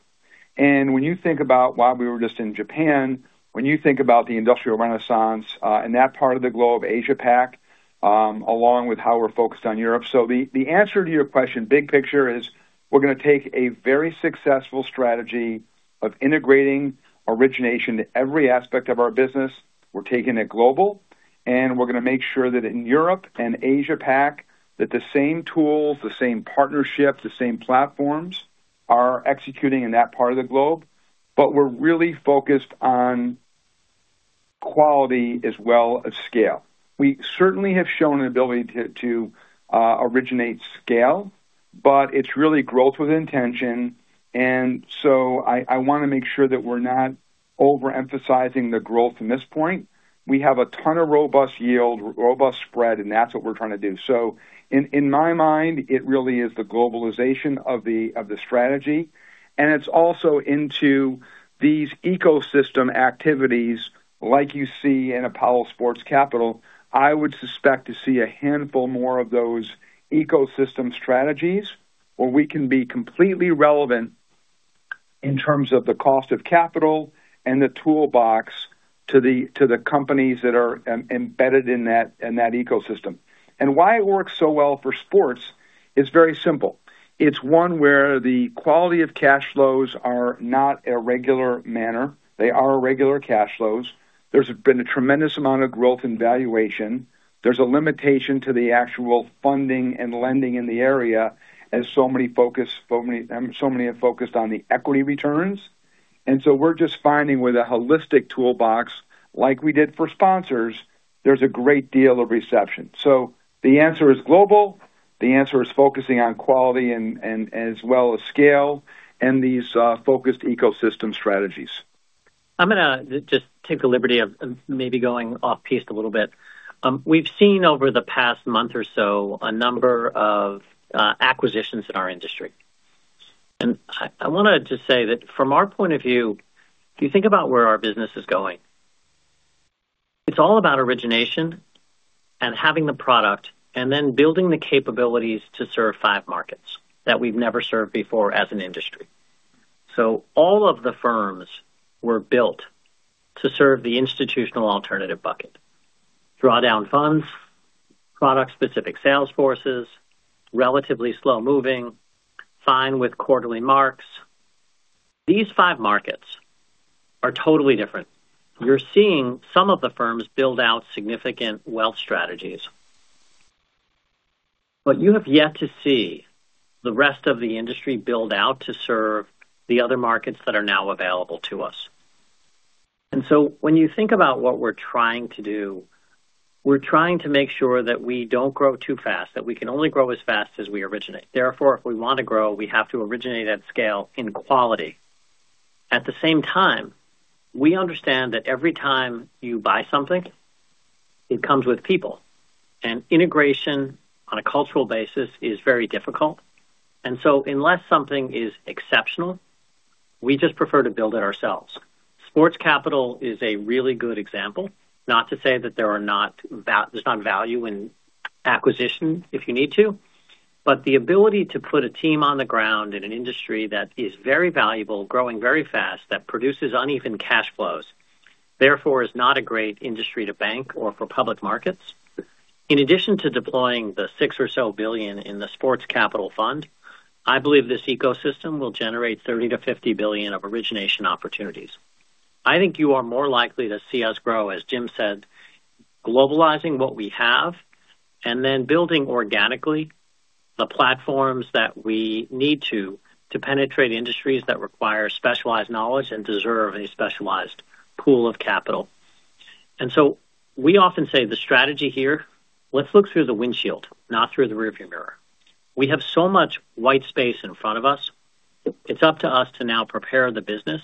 When you think about why we were just in Japan, when you think about the Industrial Renaissance and that part of the globe, Asia Pac, along with how we're focused on Europe, the answer to your question, big picture, is we're going to take a very successful strategy of integrating origination to every aspect of our business. We're taking it global. We're going to make sure that in Europe and Asia Pac, that the same tools, the same partnership, the same platforms are executing in that part of the globe. But we're really focused on quality as well as scale. We certainly have shown an ability to originate scale, but it's really growth with intention. So I want to make sure that we're not overemphasizing the growth in this point. We have a ton of robust yield, robust spread, and that's what we're trying to do. So in my mind, it really is the globalization of the strategy. And it's also into these ecosystem activities like you see in Apollo Sports Capital. I would suspect to see a handful more of those ecosystem strategies where we can be completely relevant in terms of the cost of capital and the toolbox to the companies that are embedded in that ecosystem. And why it works so well for sports is very simple. It's one where the quality of cash flows are not a regular manner. They are regular cash flows. There's been a tremendous amount of growth in valuation. There's a limitation to the actual funding and lending in the area as so many have focused on the equity returns. And so we're just finding with a holistic toolbox like we did for sponsors, there's a great deal of reception. So the answer is global. The answer is focusing on quality as well as scale and these focused ecosystem strategies. I'm going to just take the liberty of maybe going off-piste a little bit. We've seen over the past month or so a number of acquisitions in our industry. And I want to just say that from our point of view, if you think about where our business is going, it's all about origination and having the product and then building the capabilities to serve five markets that we've never served before as an industry. So all of the firms were built to serve the institutional alternative bucket: drawdown funds, product-specific sales forces, relatively slow-moving, fine with quarterly marks. These five markets are totally different. You're seeing some of the firms build out significant wealth strategies. But you have yet to see the rest of the industry build out to serve the other markets that are now available to us. And so when you think about what we're trying to do, we're trying to make sure that we don't grow too fast, that we can only grow as fast as we originate. Therefore, if we want to grow, we have to originate at scale in quality. At the same time, we understand that every time you buy something, it comes with people. And integration on a cultural basis is very difficult. And so unless something is exceptional, we just prefer to build it ourselves. Sports Capital is a really good example, not to say that there is not value in acquisition if you need to. But the ability to put a team on the ground in an industry that is very valuable, growing very fast, that produces uneven cash flows, therefore, is not a great industry to bank or for public markets. In addition to deploying the $6 billion or so in the Sports Capital Fund, I believe this ecosystem will generate $30 billion-$50 billion of origination opportunities. I think you are more likely to see us grow, as Jim said, globalizing what we have and then building organically the platforms that we need to to penetrate industries that require specialized knowledge and deserve a specialized pool of capital. And so we often say the strategy here, let's look through the windshield, not through the rearview mirror. We have so much white space in front of us. It's up to us to now prepare the business,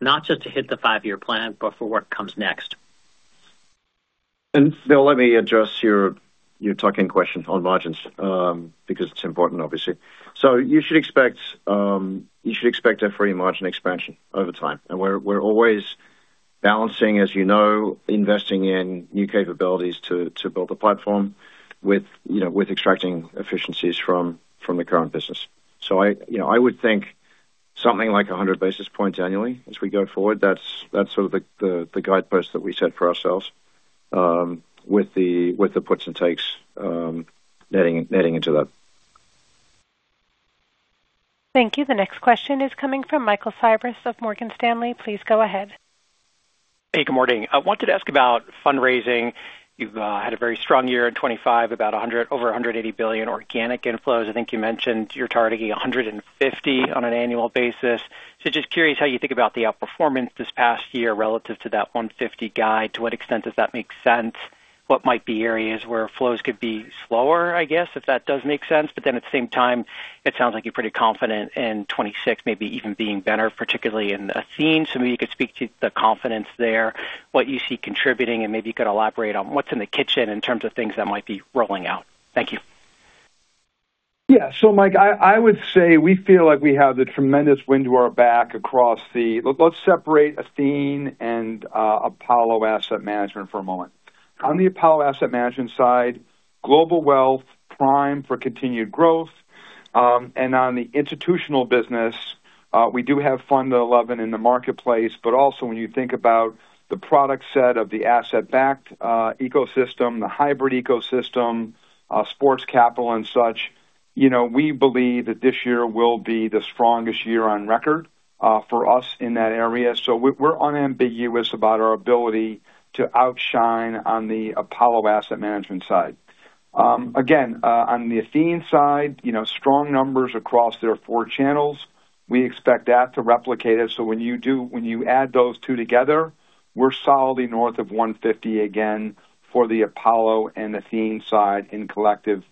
not just to hit the five-year plan but for what comes next. Bill, let me address your taxing question on margins because it's important, obviously. You should expect FRE margin expansion over time. We're always balancing, as you know, investing in new capabilities to build the platform with extracting efficiencies from the current business. I would think something like 100 basis points annually as we go forward, that's sort of the guidepost that we set for ourselves with the puts and takes netting into that. Thank you. The next question is coming from Michael Cyprys of Morgan Stanley. Please go ahead. Hey. Good morning. I wanted to ask about fundraising. You've had a very strong year in 2025, about over $180 billion organic inflows. I think you mentioned you're targeting $150 billion on an annual basis. So just curious how you think about the outperformance this past year relative to that $150 billion guide, to what extent does that make sense? What might be areas where flows could be slower, I guess, if that does make sense? But then at the same time, it sounds like you're pretty confident in 2026 maybe even being better, particularly in Athene. So maybe you could speak to the confidence there, what you see contributing, and maybe you could elaborate on what's in the kitchen in terms of things that might be rolling out. Thank you. Yeah. So Mike, I would say we feel like we have the tremendous wind to our back across the—let's separate Athene and Apollo Asset Management for a moment. On the Apollo Asset Management side, global wealth, prime for continued growth. And on the institutional business, we do have Fund 11 in the marketplace. But also when you think about the product set of the asset-backed ecosystem, the hybrid ecosystem, Sports Capital and such, we believe that this year will be the strongest year on record for us in that area. So we're unambiguous about our ability to outshine on the Apollo Asset Management side. Again, on the Athene side, strong numbers across their four channels. We expect that to replicate it. So when you add those two together, we're solidly north of $150 billion again for the Apollo and Athene side in collective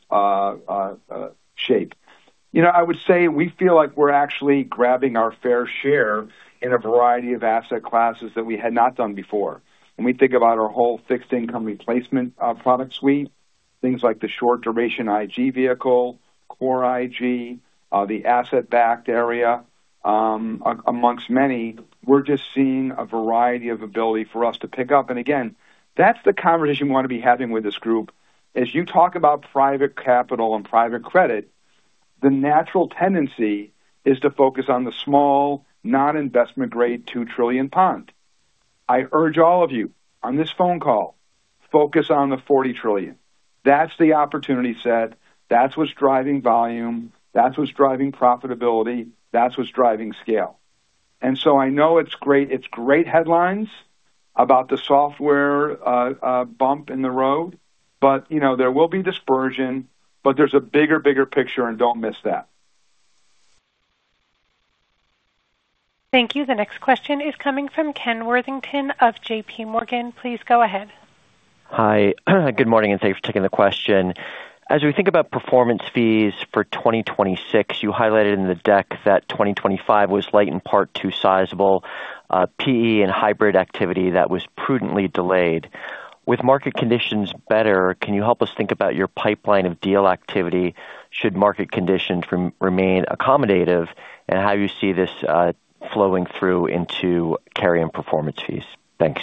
shape. I would say we feel like we're actually grabbing our fair share in a variety of asset classes that we had not done before. When we think about our whole fixed income replacement product suite, things like the short-duration IG vehicle, core IG, the asset-backed area amongst many, we're just seeing a variety of ability for us to pick up. And again, that's the conversation we want to be having with this group. As you talk about private capital and private credit, the natural tendency is to focus on the small, non-investment-grade 2 trillion pond. I urge all of you on this phone call, focus on the $40 trillion. That's the opportunity set. That's what's driving volume. That's what's driving profitability. That's what's driving scale. And so I know it's great headlines about the software bump in the road, but there will be dispersion. But there's a bigger, bigger picture, and don't miss that. Thank you. The next question is coming from Ken Worthington of JPMorgan Chase & Co. Please go ahead. Hi. Good morning and thanks for taking the question. As we think about performance fees for 2026, you highlighted in the deck that 2025 was light and part too sizable, PE and hybrid activity that was prudently delayed. With market conditions better, can you help us think about your pipeline of deal activity should market conditions remain accommodative and how you see this flowing through into carrying performance fees? Thanks.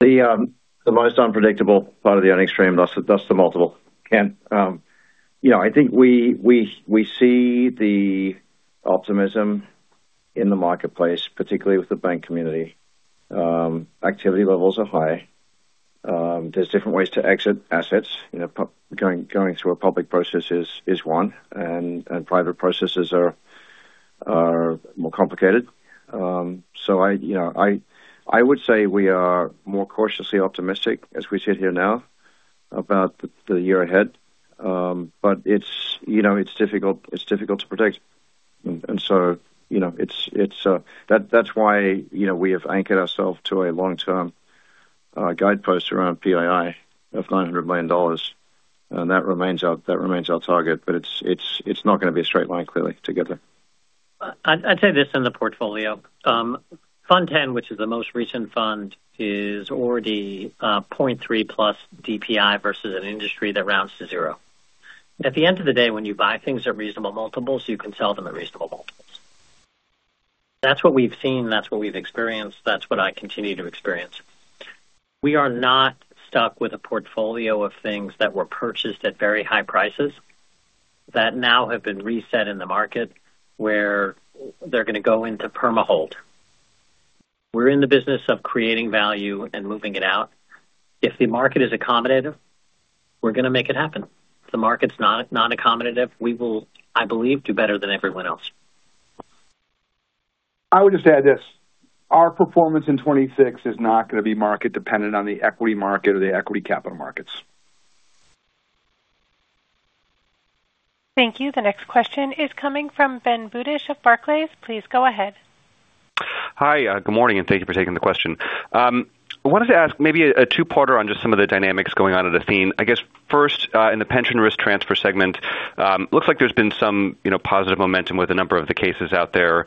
The most unpredictable part of the uncertainty that's the multiple, Ken. I think we see the optimism in the marketplace, particularly with the bank community. Activity levels are high. There's different ways to exit assets. Going through a public process is one. Private processes are more complicated. I would say we are more cautiously optimistic as we sit here now about the year ahead. It's difficult to predict. That's why we have anchored ourselves to a long-term guidepost around PII of $900 million. That remains our target. It's not going to be a straight line, clearly, together. I'd say this in the portfolio. Fund 10, which is the most recent fund, is already 0.3+ DPI versus an industry that rounds to zero. At the end of the day, when you buy things at reasonable multiples, you can sell them at reasonable multiples. That's what we've seen. That's what we've experienced. That's what I continue to experience. We are not stuck with a portfolio of things that were purchased at very high prices that now have been reset in the market where they're going to go into perma-hold. We're in the business of creating value and moving it out. If the market is accommodative, we're going to make it happen. If the market's not accommodative, we will, I believe, do better than everyone else. I would just add this. Our performance in 2026 is not going to be market-dependent on the equity market or the equity capital markets. Thank you. The next question is coming from Ben Budish of Barclays. Please go ahead. Hi. Good morning and thank you for taking the question. I wanted to ask maybe a two-parter on just some of the dynamics going on at Athene. I guess first, in the pension risk transfer segment, it looks like there's been some positive momentum with a number of the cases out there.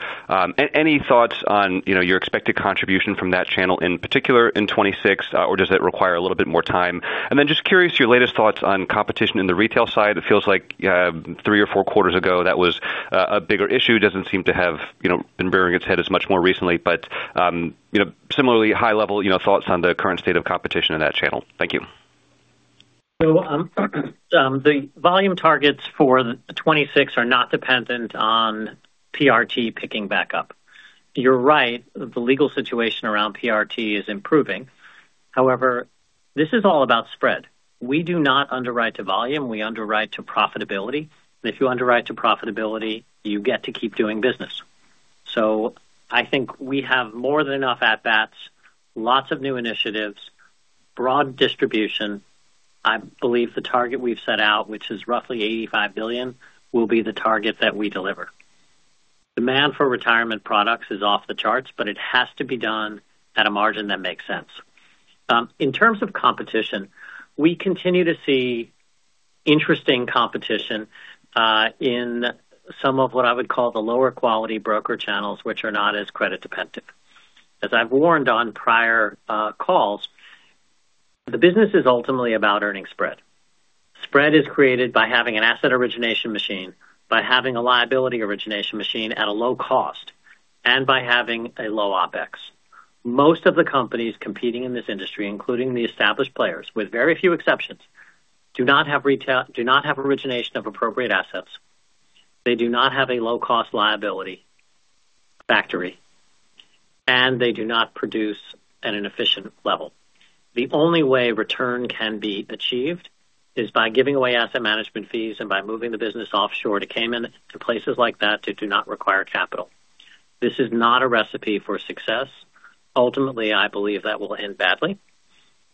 Any thoughts on your expected contribution from that channel in particular in 2026, or does it require a little bit more time? And then just curious your latest thoughts on competition in the retail side. It feels like three or four quarters ago, that was a bigger issue. It doesn't seem to have been bearing its head as much more recently. But similarly, high-level thoughts on the current state of competition in that channel. Thank you. So the volume targets for 2026 are not dependent on PRT picking back up. You're right. The legal situation around PRT is improving. However, this is all about spread. We do not underwrite to volume. We underwrite to profitability. And if you underwrite to profitability, you get to keep doing business. So I think we have more than enough at-bats, lots of new initiatives, broad distribution. I believe the target we've set out, which is roughly $85 billion, will be the target that we deliver. Demand for retirement products is off the charts, but it has to be done at a margin that makes sense. In terms of competition, we continue to see interesting competition in some of what I would call the lower-quality broker channels, which are not as credit-dependent. As I've warned on prior calls, the business is ultimately about earning spread. Spread is created by having an asset origination machine, by having a liability origination machine at a low cost, and by having a low OpEx. Most of the companies competing in this industry, including the established players with very few exceptions, do not have origination of appropriate assets. They do not have a low-cost liability factory. And they do not produce at an efficient level. The only way return can be achieved is by giving away asset management fees and by moving the business offshore to Cayman, to places like that that do not require capital. This is not a recipe for success. Ultimately, I believe that will end badly,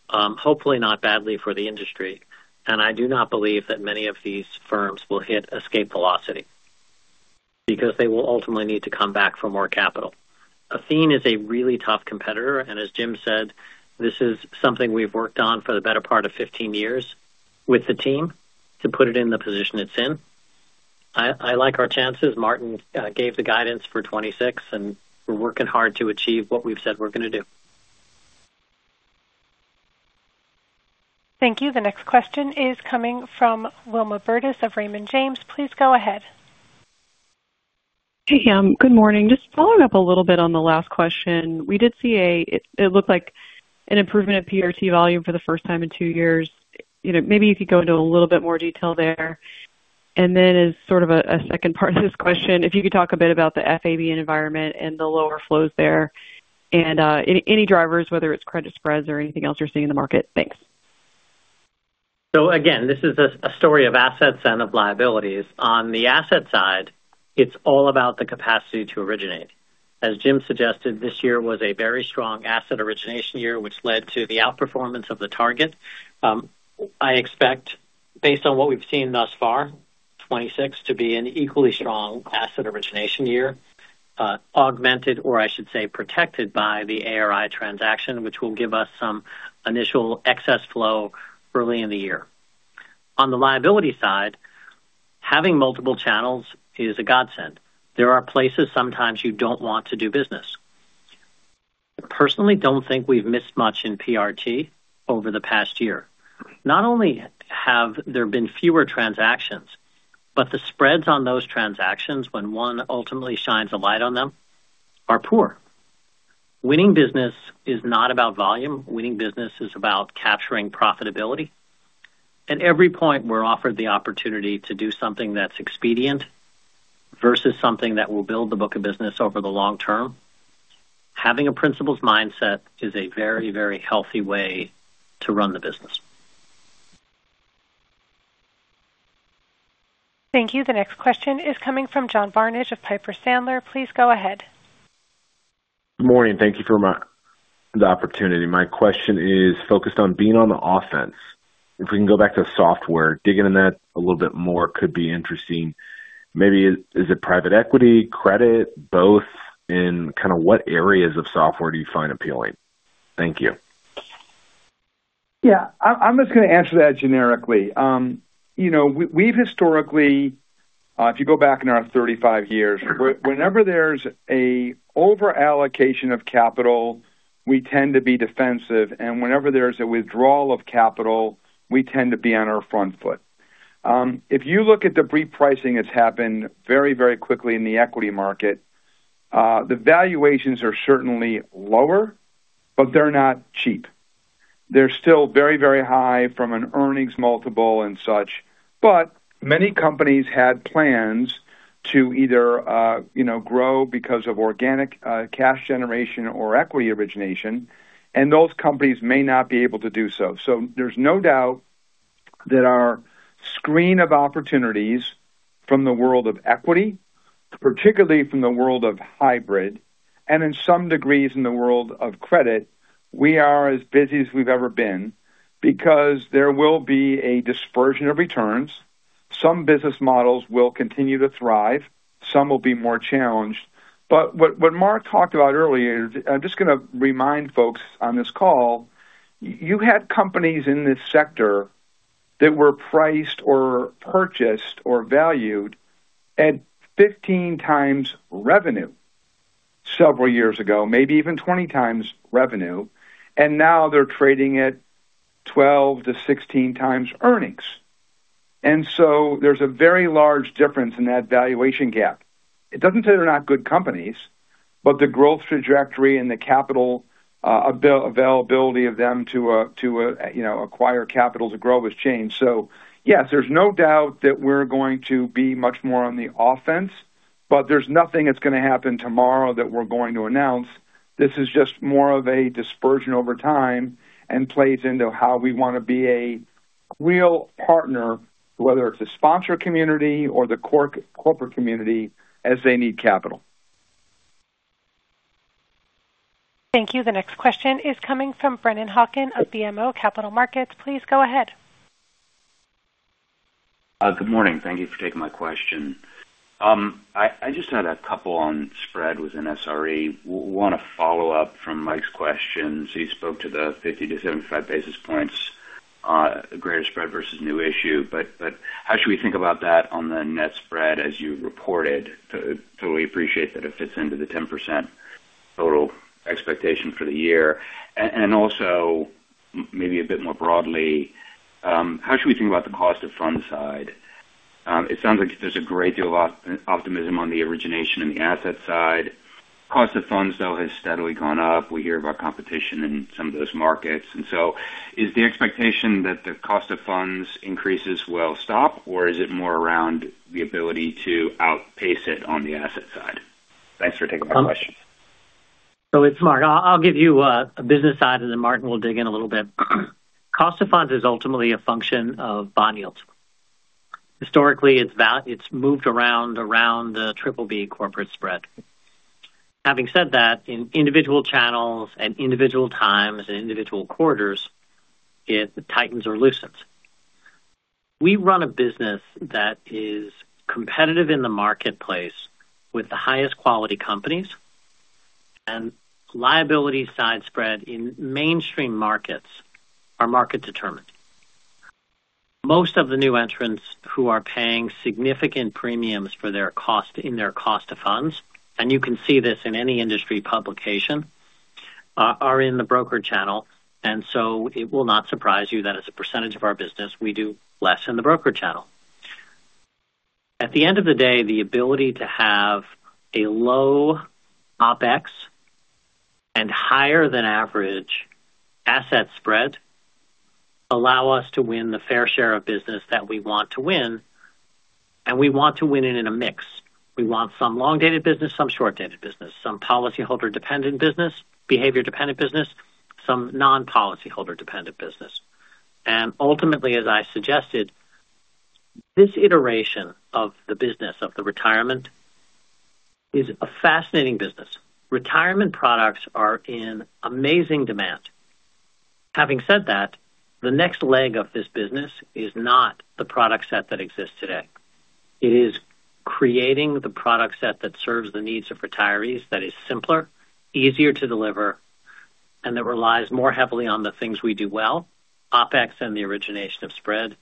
hopefully not badly for the industry. And I do not believe that many of these firms will hit escape velocity because they will ultimately need to come back for more capital. Athene is a really tough competitor. As Jim said, this is something we've worked on for the better part of 15 years with the team to put it in the position it's in. I like our chances. Martin gave the guidance for 2026, and we're working hard to achieve what we've said we're going to do. Thank you. The next question is coming from Wilma Burdis of Raymond James. Please go ahead. Hey. Good morning. Just following up a little bit on the last question. We did see, it looked like an improvement of PRT volume for the first time in two years. Maybe you could go into a little bit more detail there. And then as sort of a second part of this question, if you could talk a bit about the FABN environment and the lower flows there and any drivers, whether it's credit spreads or anything else you're seeing in the market. Thanks. So again, this is a story of assets and of liabilities. On the asset side, it's all about the capacity to originate. As Jim suggested, this year was a very strong asset origination year, which led to the outperformance of the target. I expect, based on what we've seen thus far, 2026 to be an equally strong asset origination year, augmented or I should say protected by the ARI transaction, which will give us some initial excess flow early in the year. On the liability side, having multiple channels is a godsend. There are places sometimes you don't want to do business. I personally don't think we've missed much in PRT over the past year. Not only have there been fewer transactions, but the spreads on those transactions, when one ultimately shines a light on them, are poor. Winning business is not about volume. Winning business is about capturing profitability. At every point, we're offered the opportunity to do something that's expedient versus something that will build the book of business over the long term. Having a principals mindset is a very, very healthy way to run the business. Thank you. The next question is coming from John Barnidge of Piper Sandler. Please go ahead. Good morning. Thank you for the opportunity. My question is focused on being on the offense. If we can go back to software, digging in that a little bit more could be interesting. Maybe is it private equity, credit, both? And kind of what areas of software do you find appealing? Thank you. Yeah. I'm just going to answer that generically. We've historically, if you go back in our 35 years, whenever there's an overallocation of capital, we tend to be defensive. Whenever there's a withdrawal of capital, we tend to be on our front foot. If you look at the repricing that's happened very, very quickly in the equity market, the valuations are certainly lower, but they're not cheap. They're still very, very high from an earnings multiple and such. Many companies had plans to either grow because of organic cash generation or equity origination. Those companies may not be able to do so. There's no doubt that our screen of opportunities from the world of equity, particularly from the world of hybrid, and to some degree in the world of credit, we are as busy as we've ever been because there will be a dispersion of returns. Some business models will continue to thrive. Some will be more challenged. But what Marc talked about earlier is I'm just going to remind folks on this call, you had companies in this sector that were priced or purchased or valued at 15x revenue several years ago, maybe even 20x revenue. And now they're trading at 12-16x earnings. And so there's a very large difference in that valuation gap. It doesn't say they're not good companies, but the growth trajectory and the capital availability of them to acquire capital to grow has changed. So yes, there's no doubt that we're going to be much more on the offense. But there's nothing that's going to happen tomorrow that we're going to announce. This is just more of a dispersion over time and plays into how we want to be a real partner, whether it's the sponsor community or the corporate community, as they need capital. Thank you. The next question is coming from Brennan Hawken of BMO Capital Markets. Please go ahead. Good morning. Thank you for taking my question. I just had a couple on spread with an SRE. We want to follow up from Mike's question. So you spoke to the 50-75 basis points, greater spread versus new issue. But how should we think about that on the net spread as you reported? Totally appreciate that it fits into the 10% total expectation for the year. And also maybe a bit more broadly, how should we think about the cost of fund side? It sounds like there's a great deal of optimism on the origination and the asset side. Cost of funds, though, has steadily gone up. We hear about competition in some of those markets. And so is the expectation that the cost of funds increases will stop, or is it more around the ability to outpace it on the asset side? Thanks for taking my question. So it's Marc. I'll give you a business side, and then Martin will dig in a little bit. Cost of funds is ultimately a function of bond yields. Historically, it's moved around the BBB corporate spread. Having said that, in individual channels and individual times and individual quarters, it tightens or loosens. We run a business that is competitive in the marketplace with the highest quality companies. And liability side spread in mainstream markets are market-determined. Most of the new entrants who are paying significant premiums in their cost of funds - and you can see this in any industry publication - are in the broker channel. And so it will not surprise you that as a percentage of our business, we do less in the broker channel. At the end of the day, the ability to have a low OpEx and higher-than-average asset spread allows us to win the fair share of business that we want to win. And we want to win it in a mix. We want some long-dated business, some short-dated business, some policyholder-dependent business, behavior-dependent business, some non-policyholder-dependent business. And ultimately, as I suggested, this iteration of the business of the retirement is a fascinating business. Retirement products are in amazing demand. Having said that, the next leg of this business is not the product set that exists today. It is creating the product set that serves the needs of retirees that is simpler, easier to deliver, and that relies more heavily on the things we do well: OpEx and the origination of spread.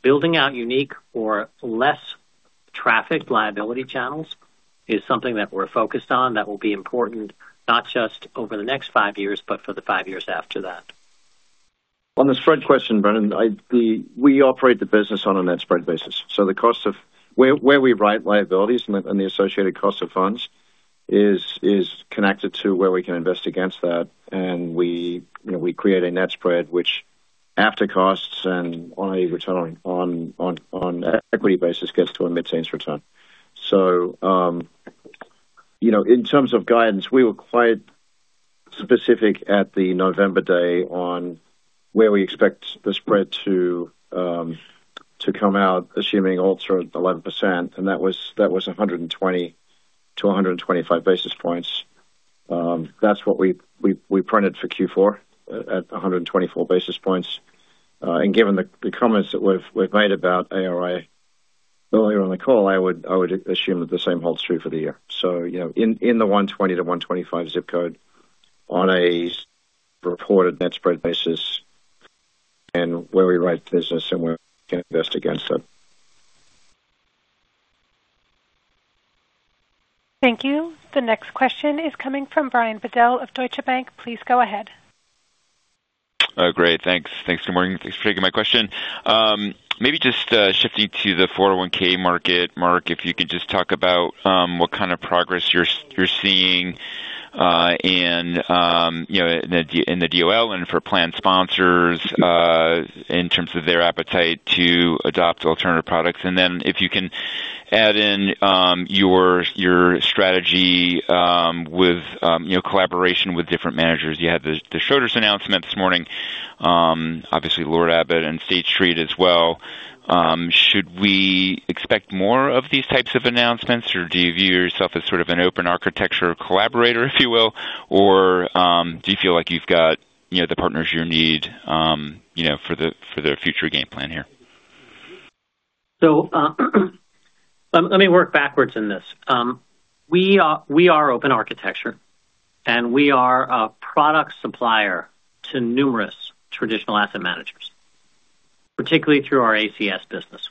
Building out unique or less trafficked liability channels is something that we're focused on that will be important not just over the next five years but for the five years after that. On the spread question, Brennan, we operate the business on a net spread basis. So where we write liabilities and the associated cost of funds is connected to where we can invest against that. And we create a net spread which, after costs and on a return on equity basis, gets to a mid-teens return. So in terms of guidance, we were quite specific at the November day on where we expect the spread to come out, assuming all through 11%. And that was 120 basis points-125 basis points. That's what we printed for Q4 at 124 basis points. And given the comments that we've made about ARI earlier on the call, I would assume that the same holds true for the year. So in the 120-125 zip code on a reported net spread basis and where we write business and where we can invest against it. Thank you. The next question is coming from Brian Bedell of Deutsche Bank. Please go ahead. Great. Thanks. Thanks, good morning. Thanks for taking my question. Maybe just shifting to the 401(k) market, Marc, if you could just talk about what kind of progress you're seeing in the DOL and for plan sponsors in terms of their appetite to adopt alternative products. And then if you can add in your strategy with collaboration with different managers. You had the Schroders announcement this morning, obviously, Lord Abbett and State Street as well. Should we expect more of these types of announcements, or do you view yourself as sort of an open architecture collaborator, if you will, or do you feel like you've got the partners you need for the future game plan here? So let me work backwards in this. We are open architecture. We are a product supplier to numerous traditional asset managers, particularly through our ACS business.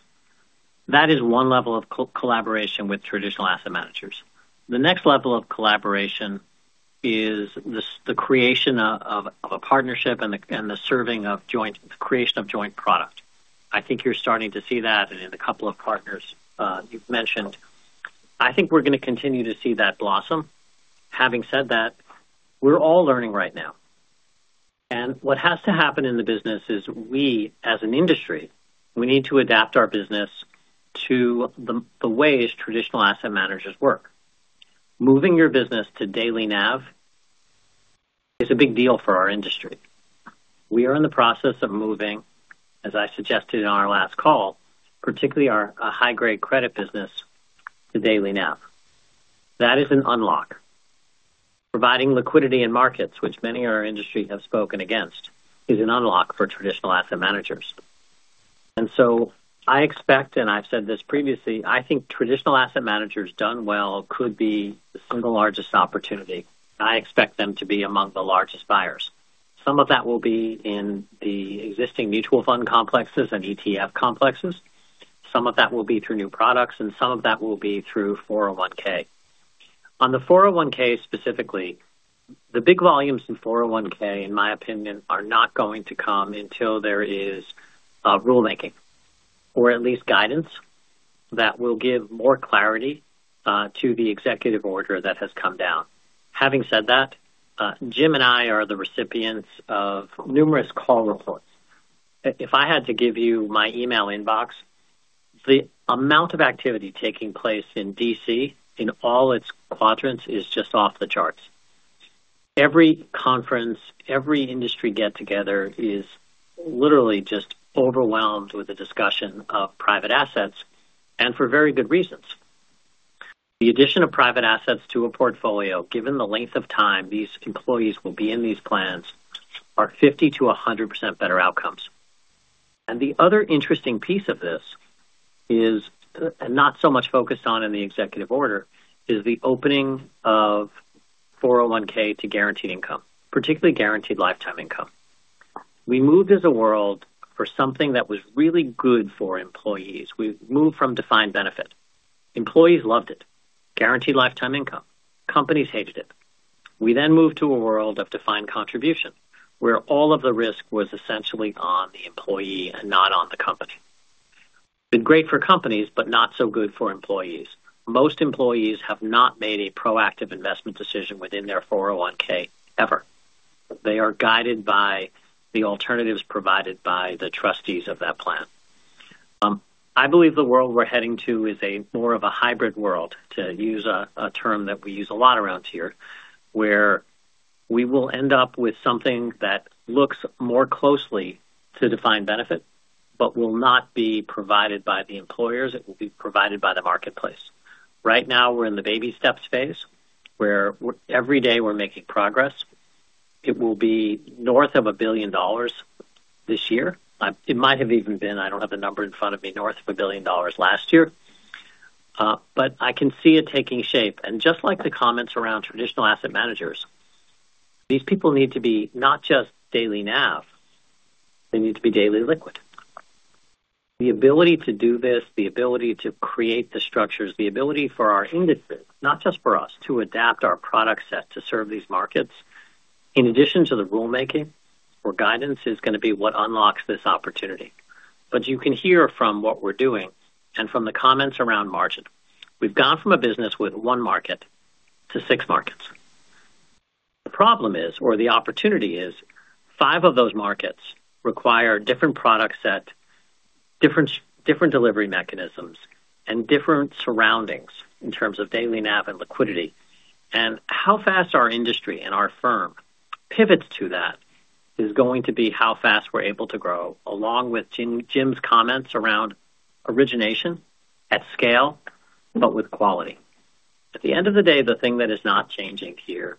That is one level of collaboration with traditional asset managers. The next level of collaboration is the creation of a partnership and the creation of joint product. I think you're starting to see that in the couple of partners you've mentioned. I think we're going to continue to see that blossom. Having said that, we're all learning right now. What has to happen in the business is we, as an industry, we need to adapt our business to the ways traditional asset managers work. Moving your business to daily NAV is a big deal for our industry. We are in the process of moving, as I suggested in our last call, particularly our high-grade credit business to daily NAV. That is an unlock. Providing liquidity in markets, which many in our industry have spoken against, is an unlock for traditional asset managers. And so I expect - and I've said this previously - I think traditional asset managers done well could be the single largest opportunity. I expect them to be among the largest buyers. Some of that will be in the existing mutual fund complexes and ETF complexes. Some of that will be through new products. And some of that will be through 401(k). On the 401(k) specifically, the big volumes in 401(k), in my opinion, are not going to come until there is rulemaking or at least guidance that will give more clarity to the executive order that has come down. Having said that, Jim and I are the recipients of numerous call reports. If I had to give you my email inbox, the amount of activity taking place in D.C. in all its quadrants is just off the charts. Every conference, every industry get-together is literally just overwhelmed with a discussion of private assets, and for very good reasons. The addition of private assets to a portfolio, given the length of time these employees will be in these plans, are 50%-100% better outcomes. The other interesting piece of this is not so much focused on in the executive order is the opening of 401(k) to guaranteed income, particularly guaranteed lifetime income. We moved as a world for something that was really good for employees. We moved from defined benefit. Employees loved it. Guaranteed lifetime income. Companies hated it. We then moved to a world of defined contribution where all of the risk was essentially on the employee and not on the company. Been great for companies but not so good for employees. Most employees have not made a proactive investment decision within their 401(k) ever. They are guided by the alternatives provided by the trustees of that plan. I believe the world we're heading to is more of a hybrid world, to use a term that we use a lot around here, where we will end up with something that looks more closely to defined benefit but will not be provided by the employers. It will be provided by the marketplace. Right now, we're in the baby steps phase where every day we're making progress. It will be north of $1 billion this year. It might have even been (I don't have the number in front of me) north of $1 billion last year. But I can see it taking shape. And just like the comments around traditional asset managers, these people need to be not just daily NAV. They need to be daily liquid. The ability to do this, the ability to create the structures, the ability for our industry, not just for us, to adapt our product set to serve these markets, in addition to the rulemaking or guidance, is going to be what unlocks this opportunity. But you can hear from what we're doing and from the comments around margin, we've gone from a business with one market to six markets. The problem is, or the opportunity is, five of those markets require a different product set, different delivery mechanisms, and different surroundings in terms of daily NAV and liquidity. And how fast our industry and our firm pivots to that is going to be how fast we're able to grow along with Jim's comments around origination at scale but with quality. At the end of the day, the thing that is not changing here,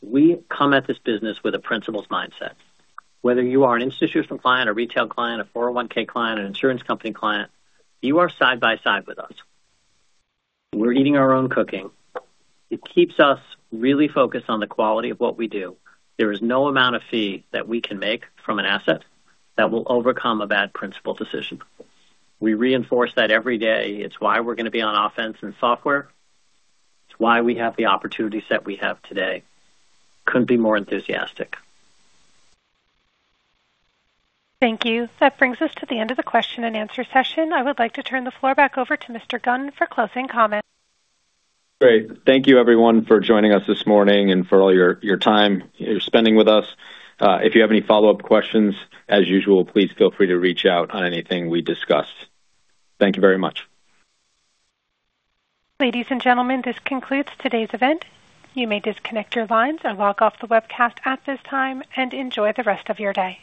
we come at this business with a principles mindset. Whether you are an institutional client, a retail client, a 401(k) client, an insurance company client, you are side by side with us. We're eating our own cooking. It keeps us really focused on the quality of what we do. There is no amount of fee that we can make from an asset that will overcome a bad principle decision. We reinforce that every day. It's why we're going to be on offense and software. It's why we have the opportunities that we have today. Couldn't be more enthusiastic. Thank you. That brings us to the end of the question and answer session. I would like to turn the floor back over to Mr. Gunn for closing comments. Great. Thank you, everyone, for joining us this morning and for all your time you're spending with us. If you have any follow-up questions, as usual, please feel free to reach out on anything we discussed. Thank you very much. Ladies and gentlemen, this concludes today's event. You may disconnect your lines or log off the webcast at this time and enjoy the rest of your day.